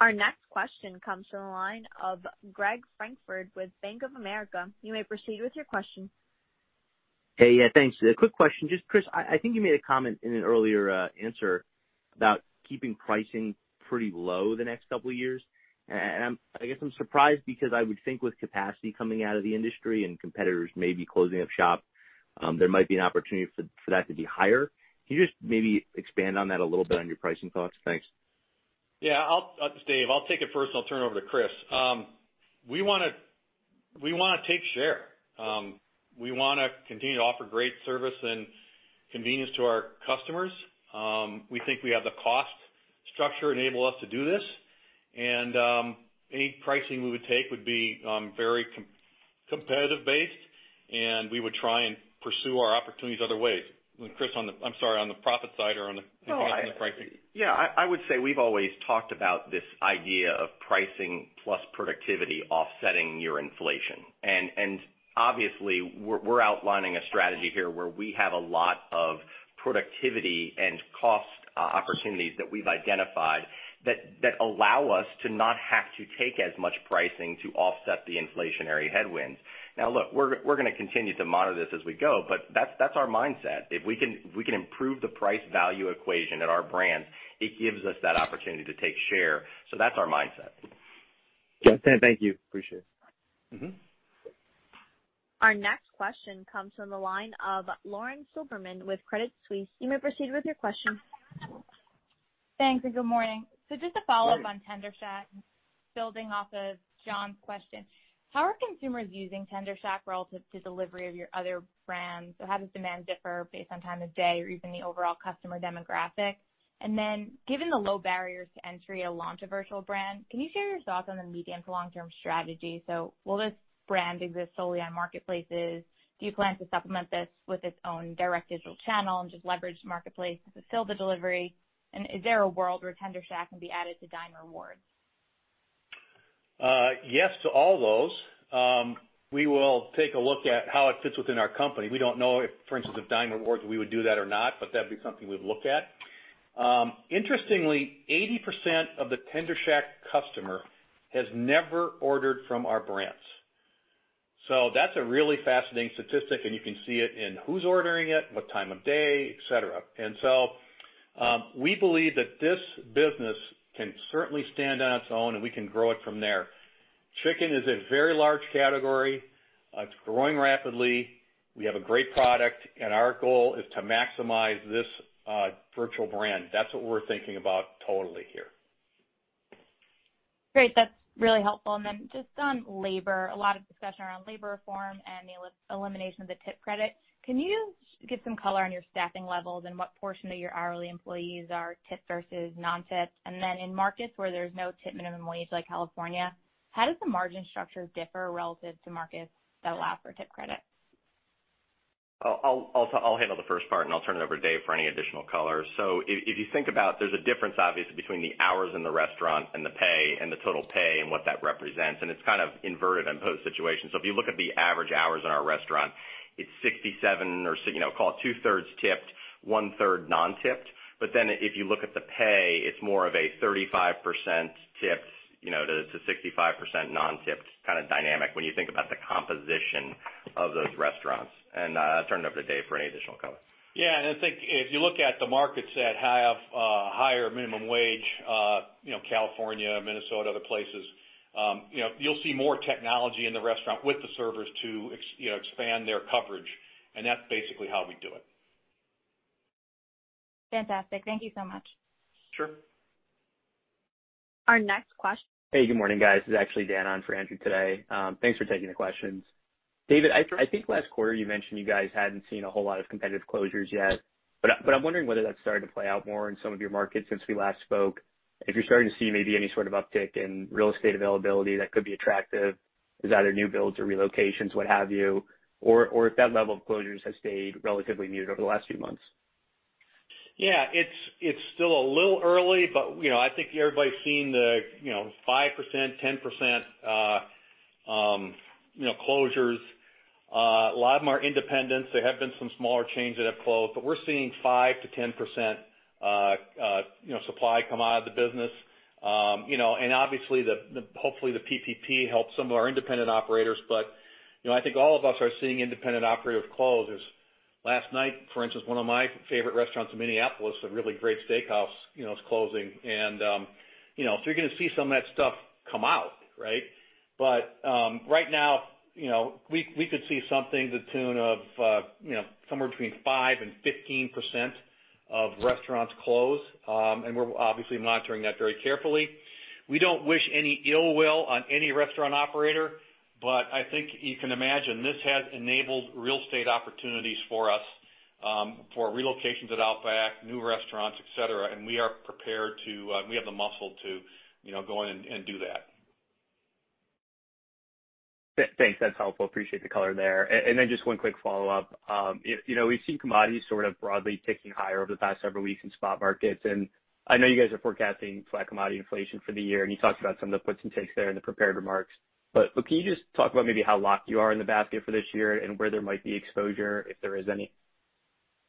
Our next question comes from the line of Greg Francfort with Bank of America. You may proceed with your question. Hey. Yeah, thanks. A quick question. Just Chris, I think you made a comment in an earlier answer about keeping pricing pretty low the next couple of years. I guess I'm surprised because I would think with capacity coming out of the industry and competitors maybe closing up shop, there might be an opportunity for that to be higher. Can you just maybe expand on that a little bit on your pricing thoughts? Thanks. Yeah, Dave, I'll take it first. I'll turn it over to Chris. We want to take share. We want to continue to offer great service and convenience to our customers. We think we have the cost structure to enable us to do this. Any pricing we would take would be very competitive based, and we would try and pursue our opportunities other ways. Chris, on the profit side or on the pricing? Yeah, I would say we've always talked about this idea of pricing plus productivity offsetting your inflation. Obviously, we're outlining a strategy here where we have a lot of productivity and cost opportunities that we've identified that allow us to not have to take as much pricing to offset the inflationary headwinds. Look, we're going to continue to monitor this as we go, but that's our mindset. If we can improve the price value equation at our brands, it gives us that opportunity to take share. That's our mindset. Yeah. Thank you. Appreciate it. Our next question comes from the line of Lauren Silberman with Credit Suisse. You may proceed with your question. Thanks, good morning. Just a follow-up on Tender Shack, building off of John's question, how are consumers using Tender Shack relative to delivery of your other brands? How does demand differ based on time of day or even the overall customer demographic? Given the low barriers to entry to launch a virtual brand, can you share your thoughts on the medium to long-term strategy? Will this brand exist solely on marketplaces? Do you plan to supplement this with its own direct digital channel and just leverage the marketplace to fulfill the delivery? Is there a world where Tender Shack can be added to Dine Rewards? Yes to all those. We will take a look at how it fits within our company. We don't know if, for instance, with Dine Rewards, we would do that or not, but that'd be something we'd look at. Interestingly, 80% of the Tender Shack customer has never ordered from our brands. That's a really fascinating statistic, and you can see it in who's ordering it, what time of day, et cetera. We believe that this business can certainly stand on its own, and we can grow it from there. Chicken is a very large category. It's growing rapidly. We have a great product, and our goal is to maximize this virtual brand. That's what we're thinking about totally here. Great. That's really helpful. Then just on labor, a lot of discussion around labor reform and the elimination of the tip credit. Can you give some color on your staffing levels and what portion of your hourly employees are tipped versus non-tipped? Then in markets where there's no tip minimum wage, like California, how does the margin structure differ relative to markets that allow for tip credit? I'll handle the first part, I'll turn it over to Dave for any additional color. If you think about it, there's a difference, obviously, between the hours in the restaurant and the pay and the total pay and what that represents, and it's kind of inverted in both situations. If you look at the average hours in our restaurant, it's 67%, or call it two-thirds tipped, one-third non-tipped. If you look at the pay, it's more of a 35% tipped to 65% non-tipped kind of dynamic when you think about the composition of those restaurants. I'll turn it over to Dave for any additional color. Yeah, I think if you look at the markets that have a higher minimum wage, California, Minnesota, other places, you'll see more technology in the restaurant with the servers to expand their coverage. That's basically how we do it. Fantastic. Thank you so much. Sure. Our next question. Hey, good morning, guys. This is actually Dan on for Andrew today. Thanks for taking the questions. David, I think last quarter you mentioned you guys hadn't seen a whole lot of competitive closures yet, but I'm wondering whether that's started to play out more in some of your markets since we last spoke, if you're starting to see maybe any sort of uptick in real estate availability that could be attractive as either new builds or relocations, what have you, or if that level of closures has stayed relatively muted over the last few months. Yeah, it's still a little early, but I think everybody's seen the 5%-10% closures. A lot of them are independents. There have been some smaller chains that have closed. We're seeing 5%-10% supply come out of the business. Obviously, hopefully, the PPP helps some of our independent operators. I think all of us are seeing independent operative closures. Last night, for instance, one of my favorite restaurants in Minneapolis, a really great steakhouse, is closing. You're going to see some of that stuff come out, right? Right now, we could see something to the tune of somewhere between 5%-15% of restaurants close. We're obviously monitoring that very carefully. We don't wish any ill will on any restaurant operator, but I think you can imagine this has enabled real estate opportunities for us for relocations at Outback, new restaurants, et cetera. We have the muscle to go in and do that. Thanks. That's helpful. Appreciate the color there. Just one quick follow-up. We've seen commodities sort of broadly ticking higher over the past several weeks in spot markets, and I know you guys are forecasting flat commodity inflation for the year, and you talked about some of the puts and takes there in the prepared remarks, but can you just talk about maybe how locked you are in the basket for this year and where there might be exposure, if there is any?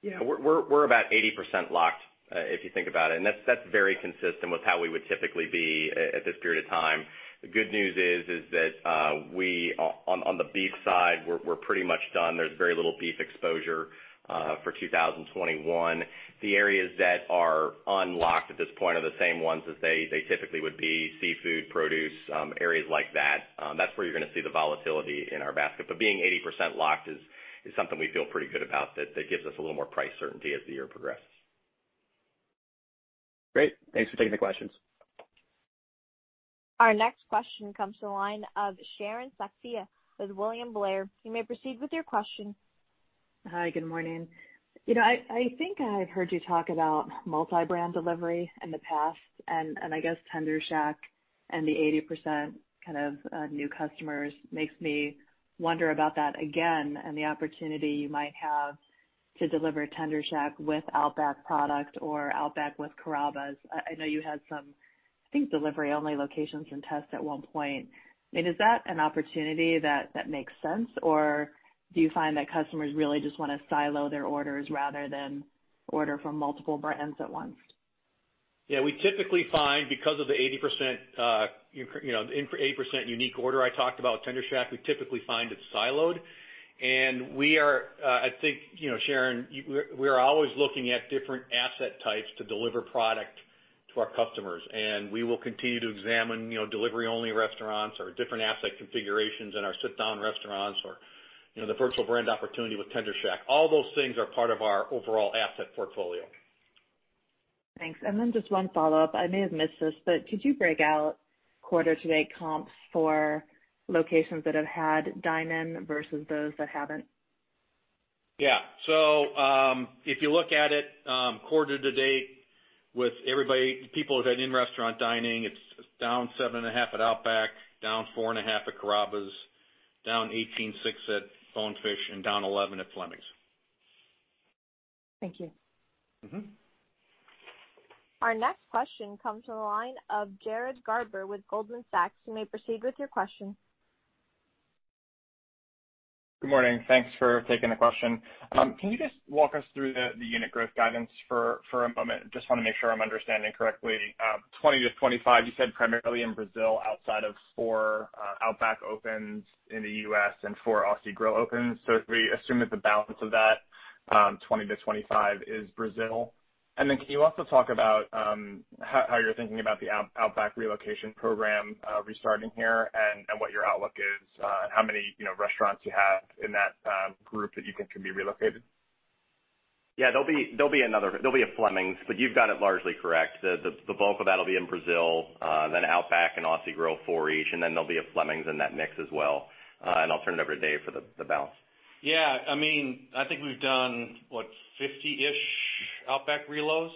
Yeah. We're about 80% locked, if you think about it, and that's very consistent with how we would typically be at this period of time. The good news is that on the beef side, we're pretty much done. There's very little beef exposure for 2021. The areas that are unlocked at this point are the same ones as they typically would be, seafood, produce, areas like that. That's where you're going to see the volatility in our basket. Being 80% locked is something we feel pretty good about that gives us a little more price certainty as the year progresses. Great. Thanks for taking the questions. Our next question comes to the line of Sharon Zackfia with William Blair. You may proceed with your question. Hi. Good morning. I think I've heard you talk about multi-brand delivery in the past, and I guess Tender Shack and the 80% new customers makes me wonder about that again and the opportunity you might have to deliver Tender Shack with Outback product or Outback with Carrabba's. I know you had some, I think, delivery-only locations and tests at one point. I mean, is that an opportunity that makes sense, or do you find that customers really just want to silo their orders rather than order from multiple brands at once? Yeah, we typically find because of the 80% unique order I talked about with Tender Shack, we typically find it's siloed. We are, I think Sharon, we are always looking at different asset types to deliver product to our customers. We will continue to examine delivery-only restaurants or different asset configurations in our sit-down restaurants or the virtual brand opportunity with Tender Shack. All those things are part of our overall asset portfolio. Thanks. Just one follow-up, I may have missed this, but could you break out quarter-to-date comps for locations that have had dine-in versus those that haven't? Yeah. If you look at it, quarter-to-date with everybody, people that had in-restaurant dining, it's down 7.5% at Outback, down 4.5% at Carrabba's, down 18.6% at Bonefish, and down 11% at Fleming's. Thank you. Our next question comes from the line of Jared Garber with Goldman Sachs. You may proceed with your question. Good morning. Thanks for taking the question. Can you just walk us through the unit growth guidance for a moment? Just want to make sure I'm understanding correctly. 20-25, you said primarily in Brazil, outside of four Outback opens in the U.S. and four Aussie Grill opens. We assume that the balance of that, 20-25, is Brazil. Then can you also talk about how you're thinking about the Outback relocation program restarting here and what your outlook is? How many restaurants you have in that group that you think can be relocated? Yeah, there'll be a Fleming's, but you've got it largely correct. The bulk of that'll be in Brazil, then Outback and Aussie Grill, four each, and then there'll be a Fleming's in that mix as well. I'll turn it over to Dave for the balance. Yeah, I think we've done, what, 50-ish Outback relos?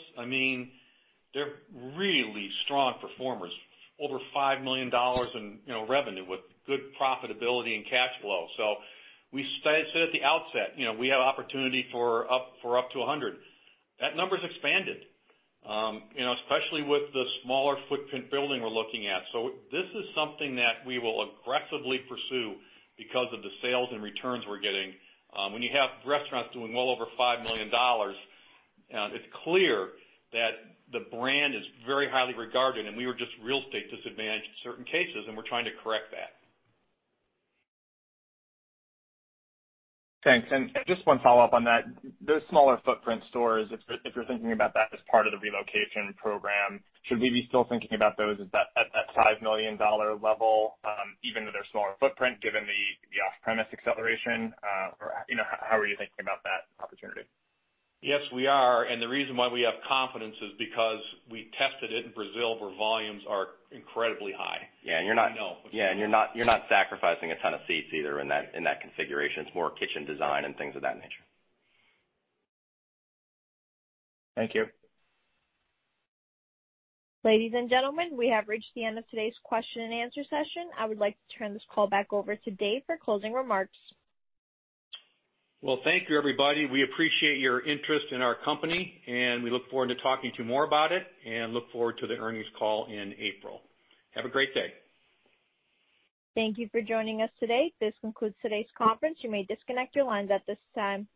They're really strong performers. Over $5 million in revenue with good profitability and cash flow. We said at the outset we have opportunity for up to 100. That number's expanded, especially with the smaller footprint building we're looking at. This is something that we will aggressively pursue because of the sales and returns we're getting. When you have restaurants doing well over $5 million, it's clear that the brand is very highly regarded, and we were just real estate disadvantaged in certain cases, and we're trying to correct that. Thanks. Just one follow-up on that. Those smaller footprint stores, if you're thinking about that as part of the relocation program, should we be still thinking about those at that $5 million level, even though they're smaller footprint, given the off-premise acceleration? How are you thinking about that opportunity? Yes, we are, and the reason why we have confidence is because we tested it in Brazil, where volumes are incredibly high. Yeah. You're not sacrificing a ton of seats either in that configuration. It's more kitchen design and things of that nature. Thank you. Ladies and gentlemen, we have reached the end of today's question-and-answer session. I would like to turn this call back over to Dave for closing remarks. Well, thank you, everybody. We appreciate your interest in our company, and we look forward to talking to you more about it and look forward to the earnings call in April. Have a great day. Thank you for joining us today. This concludes today's conference. You may disconnect your lines at this time.